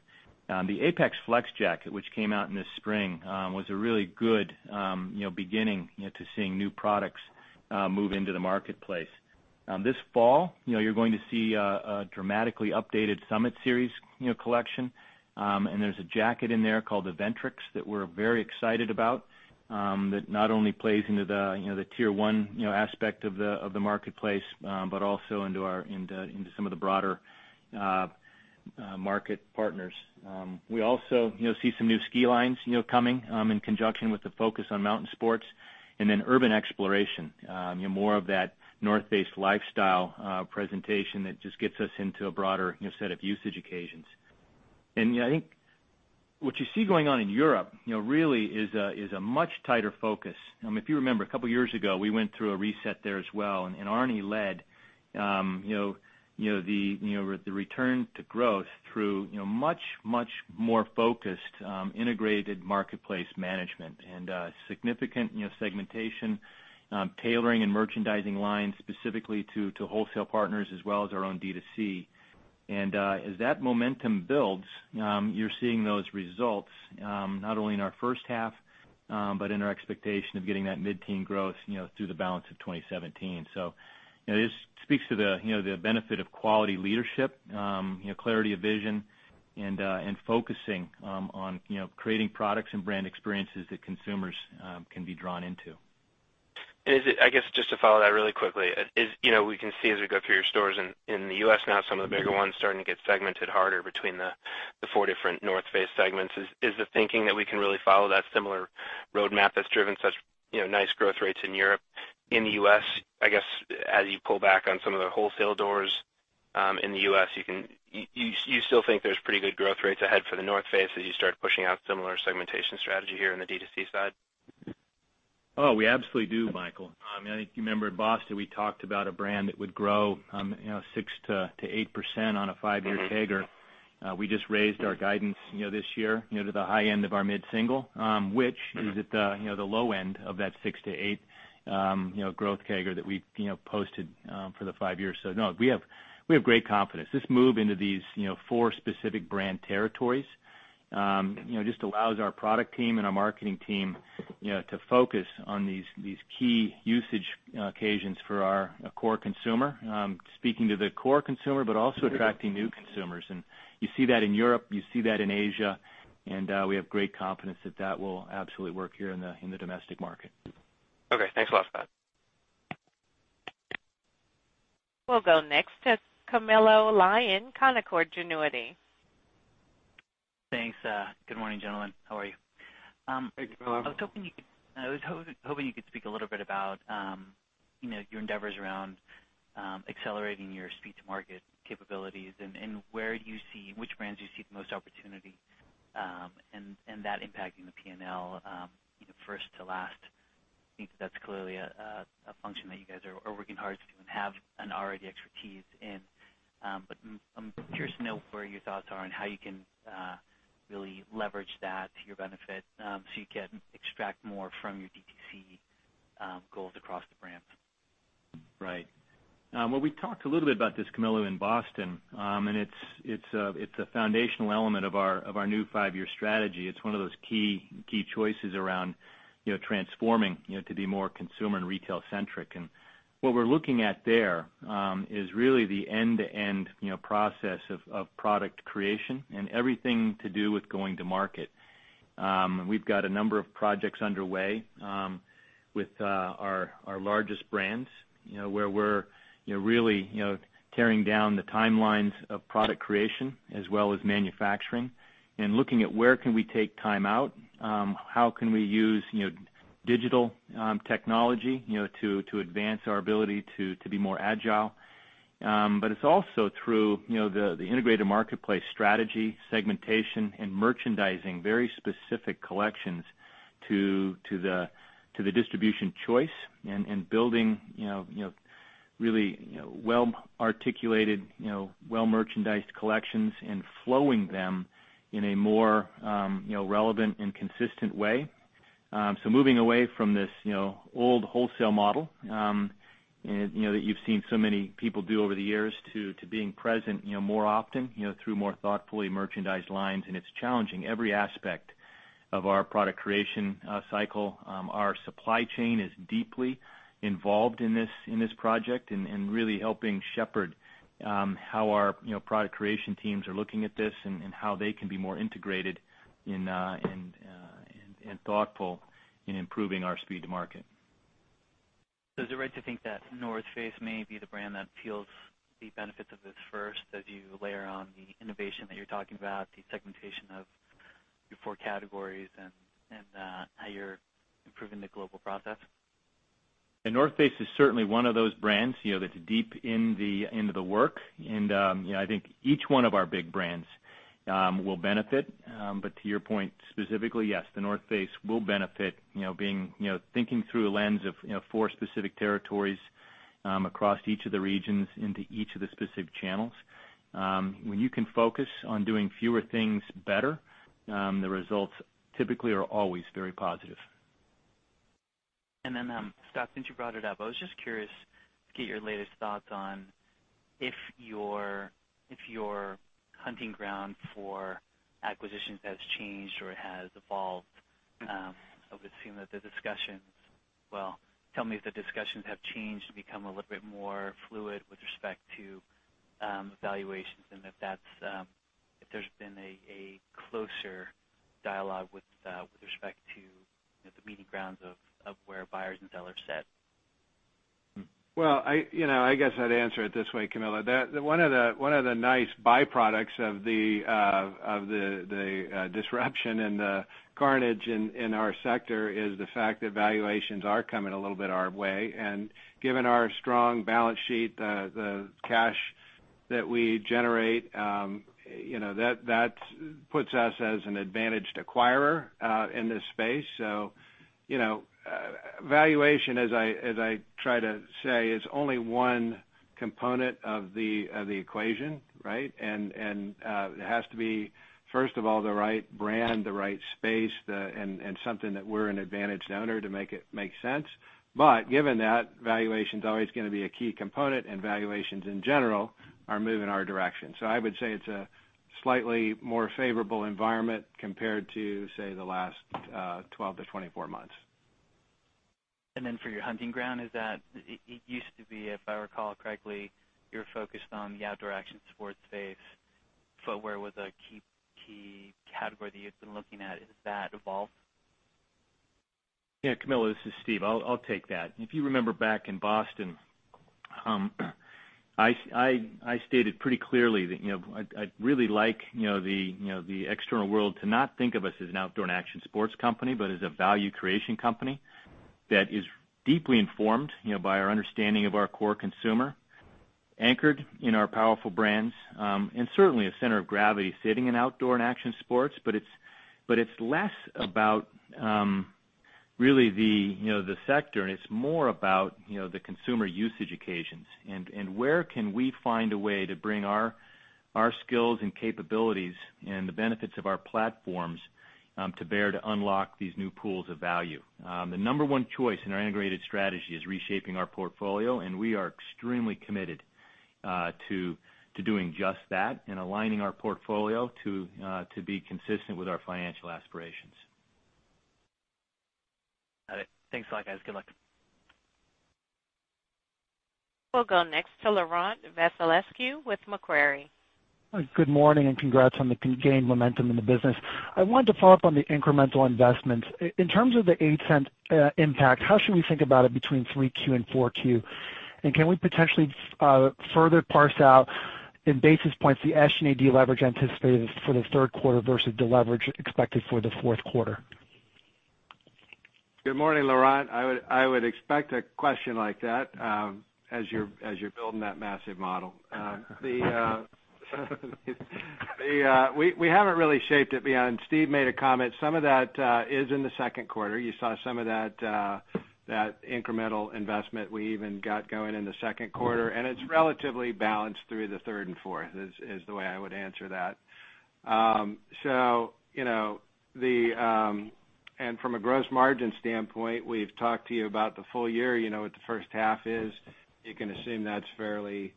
The Apex Flex Jacket, which came out in the spring, was a really good beginning to seeing new products move into the marketplace. This fall, you're going to see a dramatically updated Summit Series collection. There's a jacket in there called the Ventrix that we're very excited about that not only plays into the tier 1 aspect of the marketplace, but also into some of the broader market partners. We also see some new ski lines coming in conjunction with the focus on mountain sports then urban exploration. More of that The North Face lifestyle presentation that just gets us into a broader set of usage occasions. I think what you see going on in Europe really is a much tighter focus. If you remember, a couple of years ago, we went through a reset there as well. Arne led the return to growth through much more focused, integrated marketplace management and significant segmentation, tailoring, and merchandising lines specifically to wholesale partners, as well as our own D2C. As that momentum builds, you're seeing those results, not only in our first half but in our expectation of getting that mid-teen growth through the balance of 2017. It just speaks to the benefit of quality leadership, clarity of vision, and focusing on creating products and brand experiences that consumers can be drawn into. We can see as we go through your stores in the U.S. now, some of the bigger ones starting to get segmented harder between the four different North Face segments. Is the thinking that we can really follow that similar roadmap that's driven such nice growth rates in Europe? In the U.S., as you pull back on some of the wholesale doors in the U.S., you still think there's pretty good growth rates ahead for the North Face as you start pushing out similar segmentation strategy here on the D2C side? We absolutely do, Michael. I think you remember in Boston, we talked about a brand that would grow 6%-8% on a five-year CAGR. We just raised our guidance this year to the high end of our mid-single, which is at the low end of that 6%-8% growth CAGR that we posted for the five years. No, we have great confidence. This move into these four specific brand territories just allows our product team and our marketing team to focus on these key usage occasions for our core consumer. Speaking to the core consumer, but also attracting new consumers. You see that in Europe, you see that in Asia, and we have great confidence that that will absolutely work here in the domestic market. Thanks a lot, Scott. We'll go next to Camilo Lyon, Canaccord Genuity. Thanks. Good morning, gentlemen. How are you? Hey, Camilo. I was hoping you could speak a little bit about your endeavors around accelerating your speed to market capabilities and which brands you see the most opportunity, and that impacting the P&L, first to last. I think that that's clearly a function that you guys are working hard to do and have an already expertise in. I'm curious to know where your thoughts are on how you can really leverage that to your benefit so you can extract more from your DTC goals across the brands. Right. Well, we talked a little bit about this, Camilo, in Boston. It's a foundational element of our new five-year strategy. It's one of those key choices around transforming to be more consumer and retail-centric. What we're looking at there is really the end-to-end process of product creation and everything to do with going to market. We've got a number of projects underway with our largest brands where we're really tearing down the timelines of product creation as well as manufacturing and looking at where can we take time out, how can we use digital technology to advance our ability to be more agile. It's also through the integrated marketplace strategy, segmentation, and merchandising very specific collections to the distribution choice and building really well-articulated, well-merchandised collections and flowing them in a more relevant and consistent way. Moving away from this old wholesale model that you've seen so many people do over the years, to being present more often through more thoughtfully merchandised lines, and it's challenging every aspect of our product creation cycle. Our supply chain is deeply involved in this project and really helping shepherd how our product creation teams are looking at this and how they can be more integrated and thoughtful in improving our speed to market. Is it right to think that The North Face may be the brand that feels the benefits of this first as you layer on the innovation that you're talking about, the segmentation of your 4 categories, and how you're improving the global process? The North Face is certainly one of those brands that's deep into the work. I think each one of our big brands will benefit. To your point, specifically, yes, The North Face will benefit thinking through a lens of four specific territories across each of the regions into each of the specific channels. When you can focus on doing fewer things better, the results typically are always very positive. Scott, since you brought it up, I was just curious to get your latest thoughts on if your hunting ground for acquisitions has changed or has evolved. I would assume that the discussions have changed to become a little bit more fluid with respect to valuations, and if there's been a closer dialogue with respect to the meeting grounds of where buyers and sellers sit. I guess I'd answer it this way, Camilo. One of the nice byproducts of the disruption and the carnage in our sector is the fact that valuations are coming a little bit our way. And given our strong balance sheet, the cash that we generate, that puts us as an advantaged acquirer in this space. Valuation, as I try to say, is only one component of the equation, right? It has to be, first of all, the right brand, the right space, and something that we're an advantaged owner to make it make sense. Given that, valuation's always going to be a key component, and valuations in general are moving our direction. I would say it's a slightly more favorable environment compared to, say, the last 12-24 months. For your hunting ground, it used to be, if I recall correctly, you were focused on the Outdoor & Action Sports space. Footwear was a key category that you've been looking at. Has that evolved? Camilo, this is Steve. I'll take that. If you remember back in Boston, I stated pretty clearly that I'd really like the external world to not think of us as an Outdoor & Action Sports company, but as a value creation company that is deeply informed by our understanding of our core consumer, anchored in our powerful brands, and certainly a center of gravity sitting in Outdoor & Action Sports. It's less about really the sector, and it's more about the consumer usage occasions and where can we find a way to bring our skills and capabilities and the benefits of our platforms to bear to unlock these new pools of value. The number 1 choice in our integrated strategy is reshaping our portfolio, and we are extremely committed to doing just that and aligning our portfolio to be consistent with our financial aspirations. Got it. Thanks a lot, guys. Good luck. We'll go next to Laurent Vasilescu with Macquarie. Good morning, congrats on the gained momentum in the business. I wanted to follow up on the incremental investments. In terms of the $0.08 impact, how should we think about it between 3Q and 4Q? Can we potentially further parse out in basis points the SG&A leverage anticipated for the third quarter versus the leverage expected for the fourth quarter? Good morning, Laurent. I would expect a question like that as you're building that massive model. Steve made a comment. Some of that is in the second quarter. You saw some of that incremental investment we even got going in the second quarter, and it's relatively balanced through the third and fourth, is the way I would answer that. From a gross margin standpoint, we've talked to you about the full year. You know what the first half is. You can assume that's fairly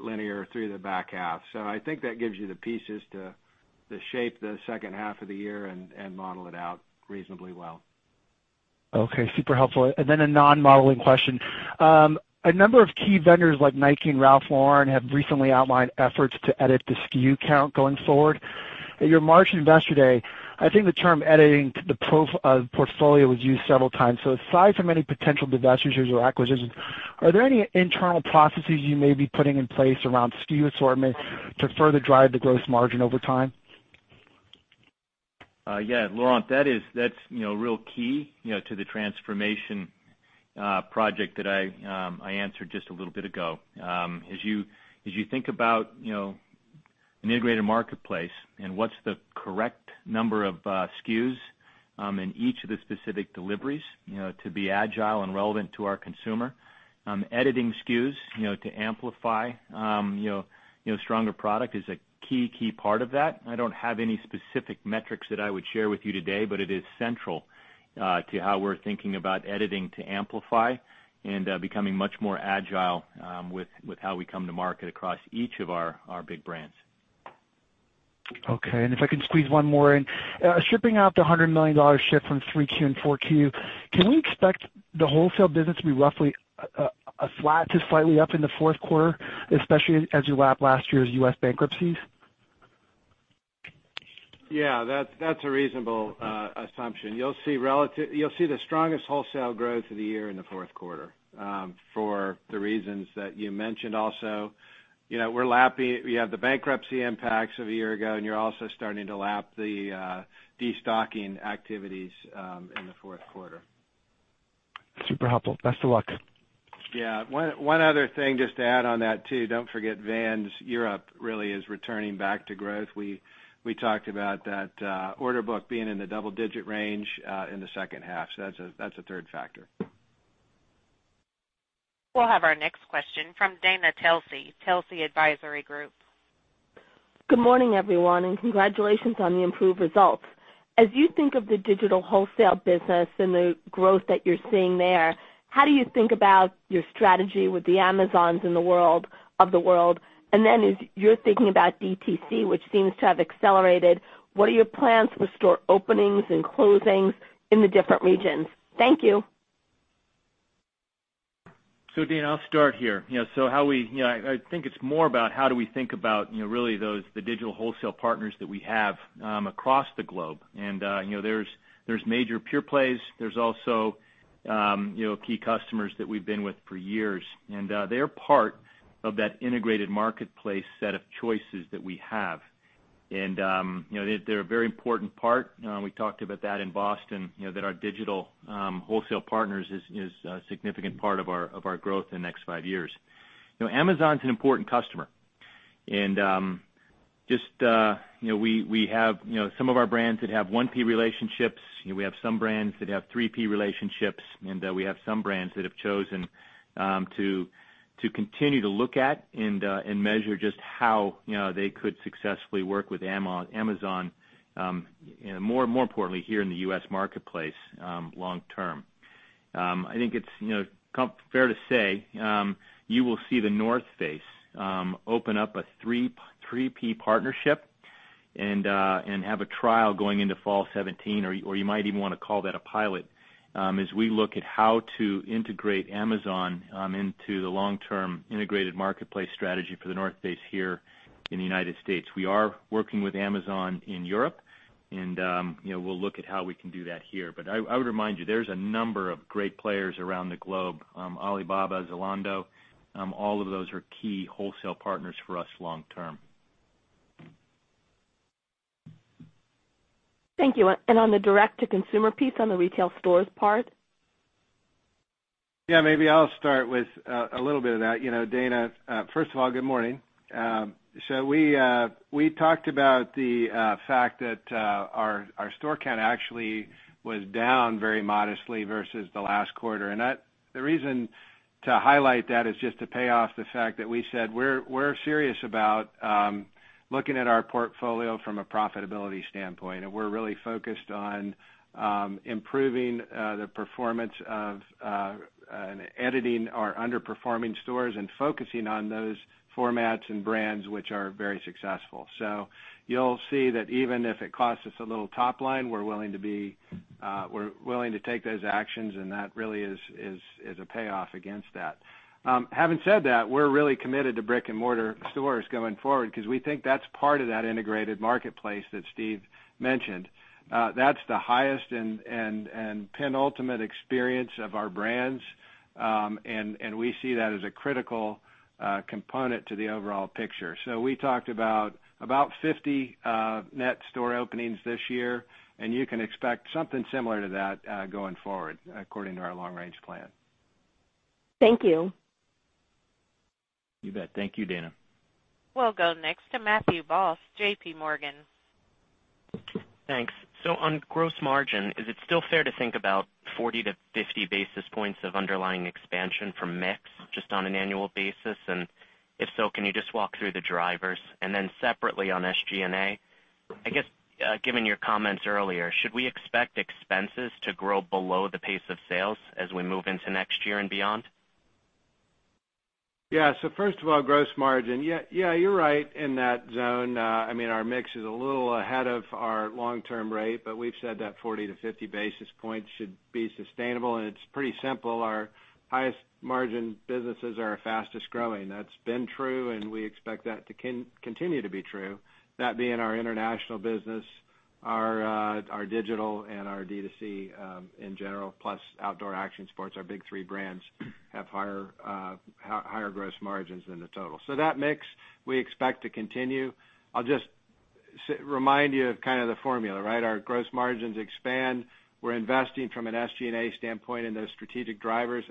linear through the back half. I think that gives you the pieces to shape the second half of the year and model it out reasonably well. Okay. Super helpful. A non-modeling question. A number of key vendors like Nike and Ralph Lauren have recently outlined efforts to edit the SKU count going forward. At your March Investor Day, I think the term editing the portfolio was used several times. Aside from any potential divestitures or acquisitions, are there any internal processes you may be putting in place around SKU assortment to further drive the gross margin over time? Yeah. Laurent, that's real key to the transformation project that I answered just a little bit ago. As you think about an integrated marketplace and what's the correct number of SKUs in each of the specific deliveries to be agile and relevant to our consumer. Editing SKUs to amplify stronger product is a key part of that. I don't have any specific metrics that I would share with you today, but it is central to how we're thinking about editing to amplify and becoming much more agile with how we come to market across each of our big brands. Okay. If I can squeeze one more in. Shipping out the $100 million ship from 3Q and 4Q, can we expect the wholesale business to be roughly a flat to slightly up in the fourth quarter, especially as you lap last year's U.S. bankruptcies? Yeah, that's a reasonable assumption. You'll see the strongest wholesale growth of the year in the fourth quarter for the reasons that you mentioned. Also, we have the bankruptcy impacts of a year ago, and you're also starting to lap the de-stocking activities in the fourth quarter. Super helpful. Best of luck. Yeah. One other thing just to add on that too, don't forget Vans Europe really is returning back to growth. We talked about that order book being in the double-digit range in the second half. That's a third factor. We'll have our next question from Dana Telsey Advisory Group. Good morning, everyone, and congratulations on the improved results. As you think of the digital wholesale business and the growth that you're seeing there, how do you think about your strategy with the Amazons of the world? As you're thinking about DTC, which seems to have accelerated, what are your plans for store openings and closings in the different regions? Thank you. Dana, I'll start here. I think it's more about how do we think about really those, the digital wholesale partners that we have across the globe. There's major pure plays. There's also key customers that we've been with for years, and they are part of that integrated marketplace set of choices that we have. They're a very important part. We talked about that in Boston, that our digital wholesale partners is a significant part of our growth in the next 5 years. Amazon's an important customer. We have some of our brands that have 1P relationships, we have some brands that have 3P relationships, and we have some brands that have chosen to continue to look at and measure just how they could successfully work with Amazon. More importantly, here in the U.S. marketplace long term. I think it's fair to say, you will see The North Face open up a 3P partnership and have a trial going into fall 2017, or you might even want to call that a pilot, as we look at how to integrate Amazon into the long-term integrated marketplace strategy for The North Face here in the U.S. We are working with Amazon in Europe, and we'll look at how we can do that here. I would remind you, there's a number of great players around the globe. Alibaba, Zalando, all of those are key wholesale partners for us long term. Thank you. On the direct-to-consumer piece, on the retail stores part? Yeah, maybe I'll start with a little bit of that. Dana, first of all, good morning. We talked about the fact that our store count actually was down very modestly versus the last quarter. The reason to highlight that is just to pay off the fact that we said we're serious about looking at our portfolio from a profitability standpoint. We're really focused on improving the performance of editing our underperforming stores and focusing on those formats and brands which are very successful. You'll see that even if it costs us a little top line, we're willing to take those actions, and that really is a payoff against that. Having said that, we're really committed to brick-and-mortar stores going forward because we think that's part of that integrated marketplace that Steve mentioned. That's the highest and penultimate experience of our brands. We see that as a critical component to the overall picture. We talked about 50 net store openings this year, and you can expect something similar to that going forward according to our long range plan. Thank you. You bet. Thank you, Dana. We'll go next to Matthew Boss, J.P. Morgan. Thanks. On gross margin, is it still fair to think about 40 to 50 basis points of underlying expansion from mix just on an annual basis? If so, can you just walk through the drivers? Separately on SG&A, I guess, given your comments earlier, should we expect expenses to grow below the pace of sales as we move into next year and beyond? First of all, gross margin. You're right in that zone. Our mix is a little ahead of our long-term rate, but we've said that 40 to 50 basis points should be sustainable, it's pretty simple. Our highest margin businesses are our fastest-growing. That's been true, we expect that to continue to be true. That being our international business, our digital, our D2C in general, plus Outdoor & Action Sports, our big three brands have higher gross margins than the total. That mix we expect to continue. Remind you of the formula. Our gross margins expand. We're investing from an SG&A standpoint in those strategic drivers,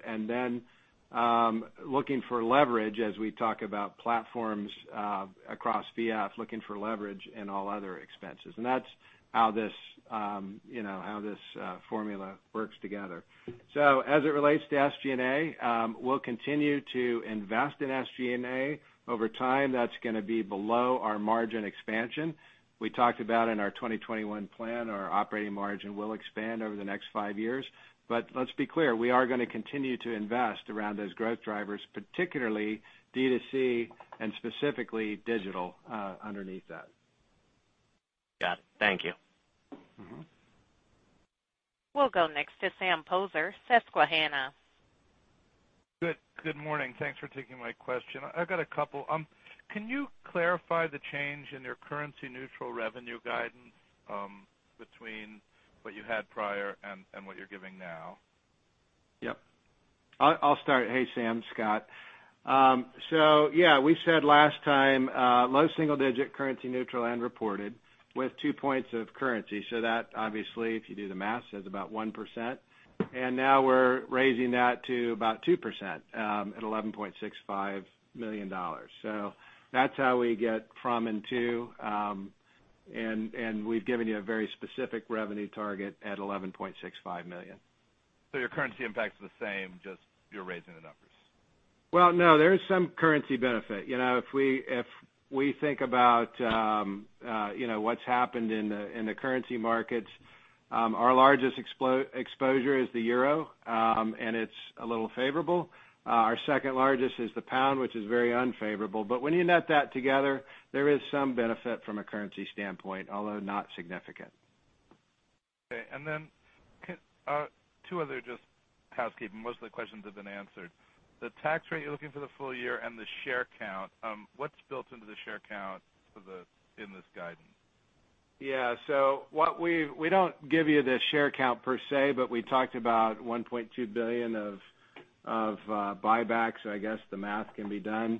looking for leverage as we talk about platforms across VF, looking for leverage in all other expenses. That's how this formula works together. As it relates to SG&A, we'll continue to invest in SG&A over time. That's going to be below our margin expansion. We talked about in our 2021 plan, our operating margin will expand over the next five years. Let's be clear, we are going to continue to invest around those growth drivers, particularly D2C and specifically digital underneath that. Got it. Thank you. We'll go next to Sam Poser, Susquehanna. Good morning. Thanks for taking my question. I got a couple. Can you clarify the change in your currency-neutral revenue guidance between what you had prior and what you're giving now? Yep. I'll start. Hey, Sam. Scott. Yeah, we said last time, low single digit currency-neutral and reported with 2 points of currency. That obviously, if you do the math, is about 1%. Now we're raising that to about 2% at $11.65 billion. That's how we get from and to. We've given you a very specific revenue target at $11.65 billion. Your currency impact's the same, just you're raising the numbers. Well, no. There is some currency benefit. If we think about what's happened in the currency markets, our largest exposure is the euro, and it's a little favorable. Our second largest is the pound, which is very unfavorable. When you net that together, there is some benefit from a currency standpoint, although not significant. Okay. Two other just housekeeping. Most of the questions have been answered. The tax rate you're looking for the full year and the share count. What's built into the share count in this guidance? Yeah. We don't give you the share count per se, but we talked about $1.2 billion of buybacks. I guess the math can be done.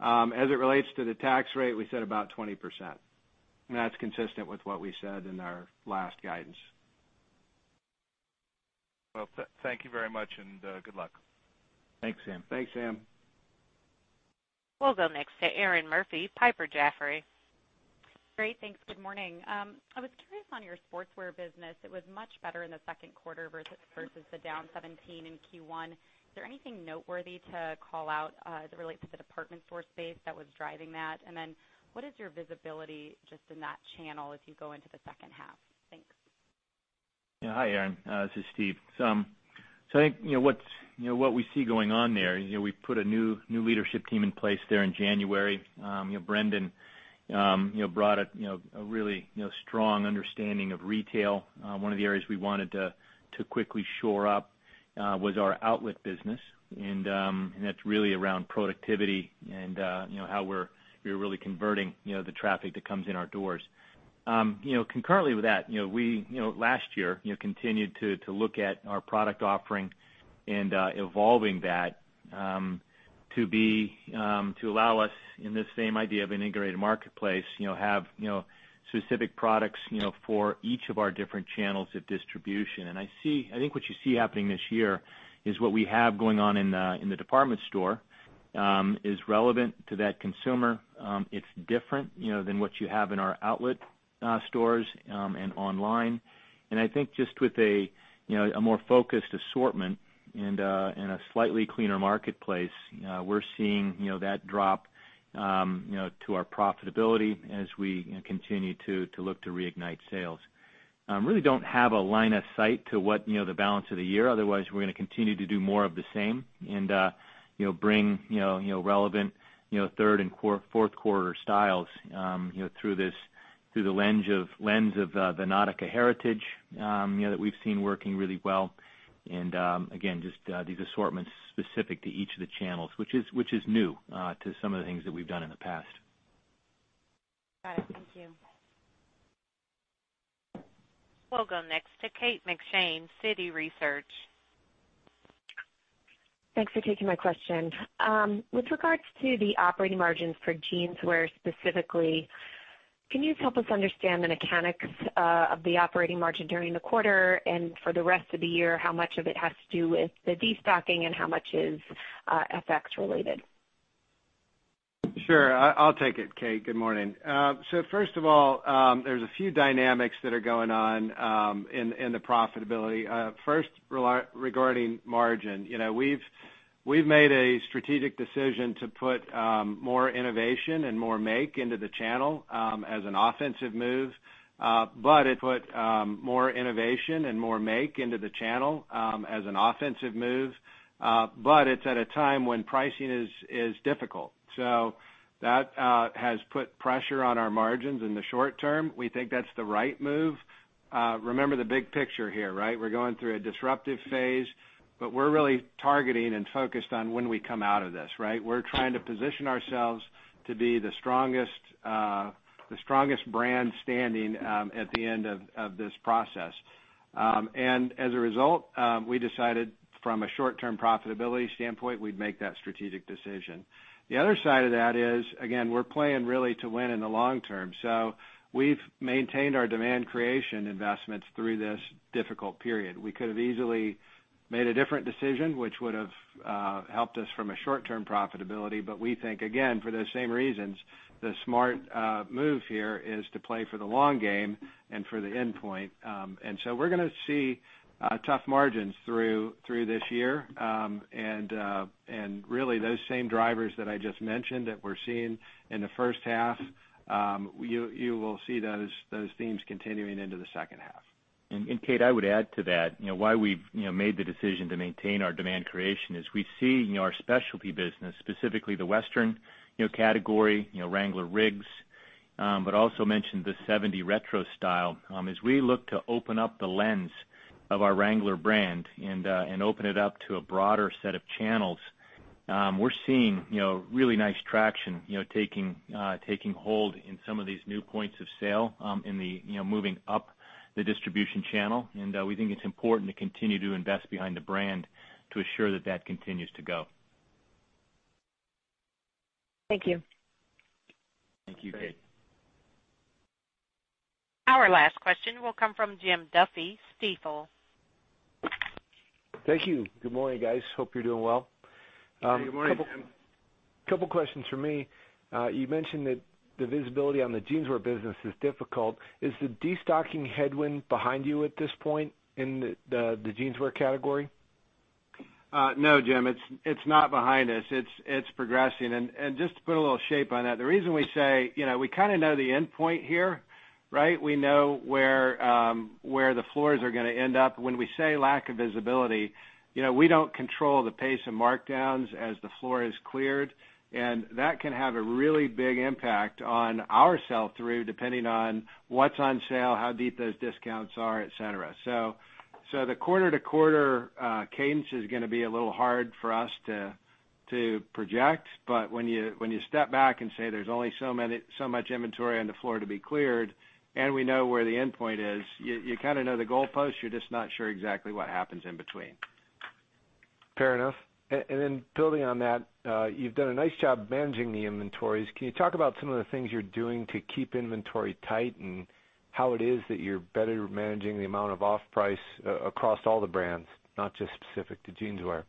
As it relates to the tax rate, we said about 20%. That's consistent with what we said in our last guidance. Well, thank you very much. Good luck. Thanks, Sam. Thanks, Sam. We'll go next to Erinn Murphy, Piper Jaffray. Great. Thanks. Good morning. I was curious on your sportswear business. It was much better in the second quarter versus the down 17 in Q1. Is there anything noteworthy to call out as it relates to the department store space that was driving that? What is your visibility just in that channel as you go into the second half? Thanks. Yeah. Hi, Erinn. This is Steve. I think what we see going on there, we put a new leadership team in place there in January. Brendan brought a really strong understanding of retail. One of the areas we wanted to quickly shore up was our outlet business. That's really around productivity and how we're really converting the traffic that comes in our doors. Concurrently with that, last year, continued to look at our product offering and evolving that to allow us, in this same idea of an integrated marketplace, have specific products for each of our different channels of distribution. I think what you see happening this year is what we have going on in the department store is relevant to that consumer. It's different than what you have in our outlet stores and online. I think just with a more focused assortment and a slightly cleaner marketplace, we're seeing that drop to our profitability as we continue to look to reignite sales. Really don't have a line of sight to what the balance of the year. Otherwise, we're going to continue to do more of the same and bring relevant third and fourth quarter styles through the lens of the Nautica heritage that we've seen working really well. Again, just these assortments specific to each of the channels, which is new to some of the things that we've done in the past. Got it. Thank you. We'll go next to Kate McShane, Citi Research. Thanks for taking my question. With regards to the operating margins for Jeanswear specifically, can you help us understand the mechanics of the operating margin during the quarter and for the rest of the year, how much of it has to do with the destocking and how much is FX related? Sure. I'll take it, Kate. Good morning. First of all, there's a few dynamics that are going on in the profitability. First, regarding margin. We've made a strategic decision to put more innovation and more make into the channel as an offensive move. It's at a time when pricing is difficult. That has put pressure on our margins in the short term. We think that's the right move. Remember the big picture here. We're going through a disruptive phase. We're really targeting and focused on when we come out of this, right? We're trying to position ourselves to be the strongest brand standing at the end of this process. As a result, we decided from a short-term profitability standpoint, we'd make that strategic decision. The other side of that is, again, we're playing really to win in the long term. We've maintained our demand creation investments through this difficult period. We could have easily made a different decision, which would have helped us from a short-term profitability. We think, again, for those same reasons, the smart move here is to play for the long game and for the endpoint. We're going to see tough margins through this year. Really, those same drivers that I just mentioned that we're seeing in the first half, you will see those themes continuing into the second half. Kate, I would add to that. Why we've made the decision to maintain our demand creation is we see our specialty business, specifically the Western category, Wrangler Riggs, but also mentioned the 70 retro style. As we look to open up the lens of our Wrangler and open it up to a broader set of channels, we're seeing really nice traction taking hold in some of these new points of sale in the moving up the distribution channel. We think it's important to continue to invest behind the brand to assure that that continues to go. Thank you. Thank you, Kate. Great. Our last question will come from Jim Duffy, Stifel. Thank you. Good morning, guys. Hope you're doing well. Good morning, Jim. Couple questions from me. You mentioned that the visibility on the Jeanswear business is difficult. Is the destocking headwind behind you at this point in the Jeanswear category? No, Jim, it's not behind us. It's progressing. Just to put a little shape on that, the reason we say, we kind of know the endpoint here, right? We know where the floors are going to end up. When we say lack of visibility, we don't control the pace of markdowns as the floor is cleared, and that can have a really big impact on our sell-through, depending on what's on sale, how deep those discounts are, et cetera. The quarter-to-quarter cadence is going to be a little hard for us to project. When you step back and say there's only so much inventory on the floor to be cleared, and we know where the endpoint is, you kind of know the goalpost, you're just not sure exactly what happens in between. Fair enough. Then building on that, you've done a nice job managing the inventories. Can you talk about some of the things you're doing to keep inventory tight and how it is that you're better managing the amount of off-price across all the brands, not just specific to Jeanswear?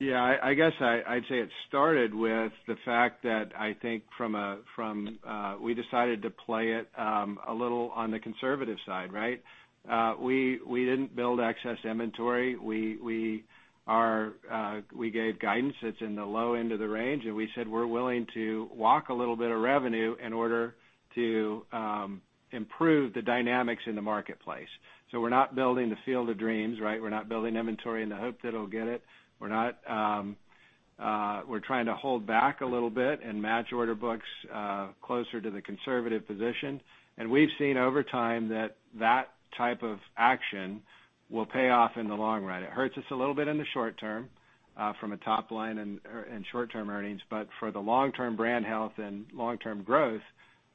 I guess I'd say it started with the fact that I think we decided to play it a little on the conservative side, right? We didn't build excess inventory. We gave guidance that's in the low end of the range. We said we're willing to walk a little bit of revenue in order to improve the dynamics in the marketplace. We're not building the field of dreams, right? We're not building inventory in the hope that it'll get it. We're trying to hold back a little bit and match order books closer to the conservative position. We've seen over time that that type of action will pay off in the long run. It hurts us a little bit in the short term from a top line and short-term earnings. For the long-term brand health and long-term growth,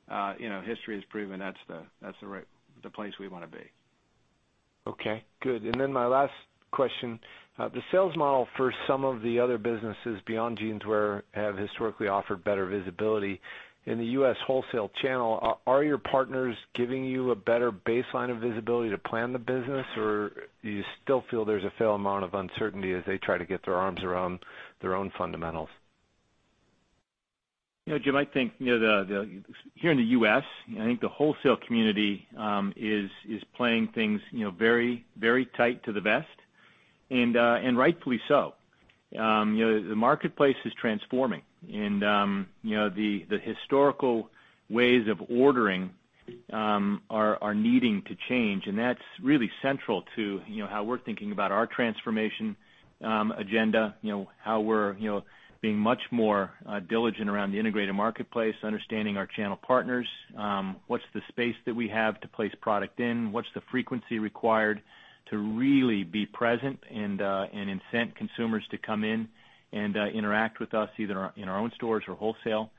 history has proven that's the place we want to be. Okay, good. My last question. The sales model for some of the other businesses beyond Jeanswear have historically offered better visibility. In the U.S. wholesale channel, are your partners giving you a better baseline of visibility to plan the business? Or do you still feel there's a fair amount of uncertainty as they try to get their arms around their own fundamentals? Jim, I think here in the U.S., I think the wholesale community is playing things very tight to the vest, and rightfully so. The marketplace is transforming. The historical ways of ordering are needing to change. That's really central to how we're thinking about our transformation agenda, how we're being much more diligent around the integrated marketplace, understanding our channel partners. What's the space that we have to place product in? What's the frequency required to really be present and incent consumers to come in and interact with us, either in our own stores or wholesale?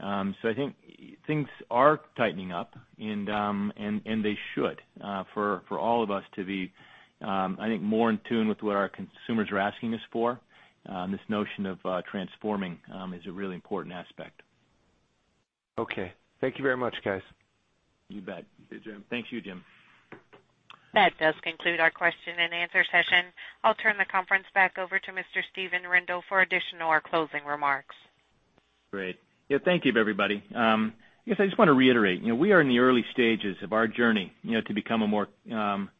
I think things are tightening up, and they should for all of us to be, I think, more in tune with what our consumers are asking us for. This notion of transforming is a really important aspect. Okay. Thank you very much, guys. You bet. Thanks, Jim. Thank you, Jim. That does conclude our question-and-answer session. I'll turn the conference back over to Mr. Steven Rendle for additional or closing remarks. Great. Thank you, everybody. I guess I just want to reiterate, we are in the early stages of our journey to become a more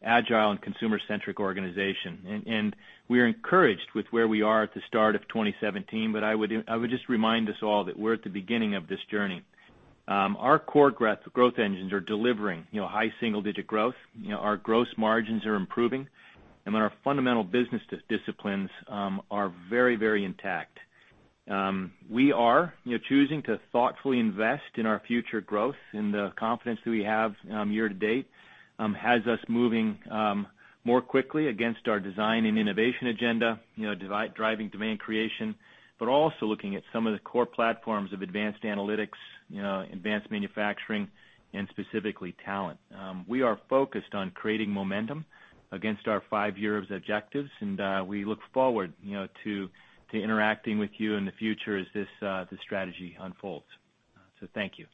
agile and consumer-centric organization. We're encouraged with where we are at the start of 2017. I would just remind us all that we're at the beginning of this journey. Our core growth engines are delivering high single-digit growth. Our gross margins are improving, and our fundamental business disciplines are very intact. We are choosing to thoughtfully invest in our future growth, and the confidence that we have year to date has us moving more quickly against our design and innovation agenda, driving demand creation. Also looking at some of the core platforms of advanced analytics, advanced manufacturing, and specifically talent. We are focused on creating momentum against our five-year objectives, and we look forward to interacting with you in the future as this strategy unfolds. Thank you.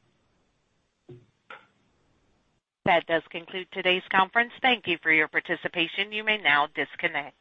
That does conclude today's conference. Thank you for your participation. You may now disconnect.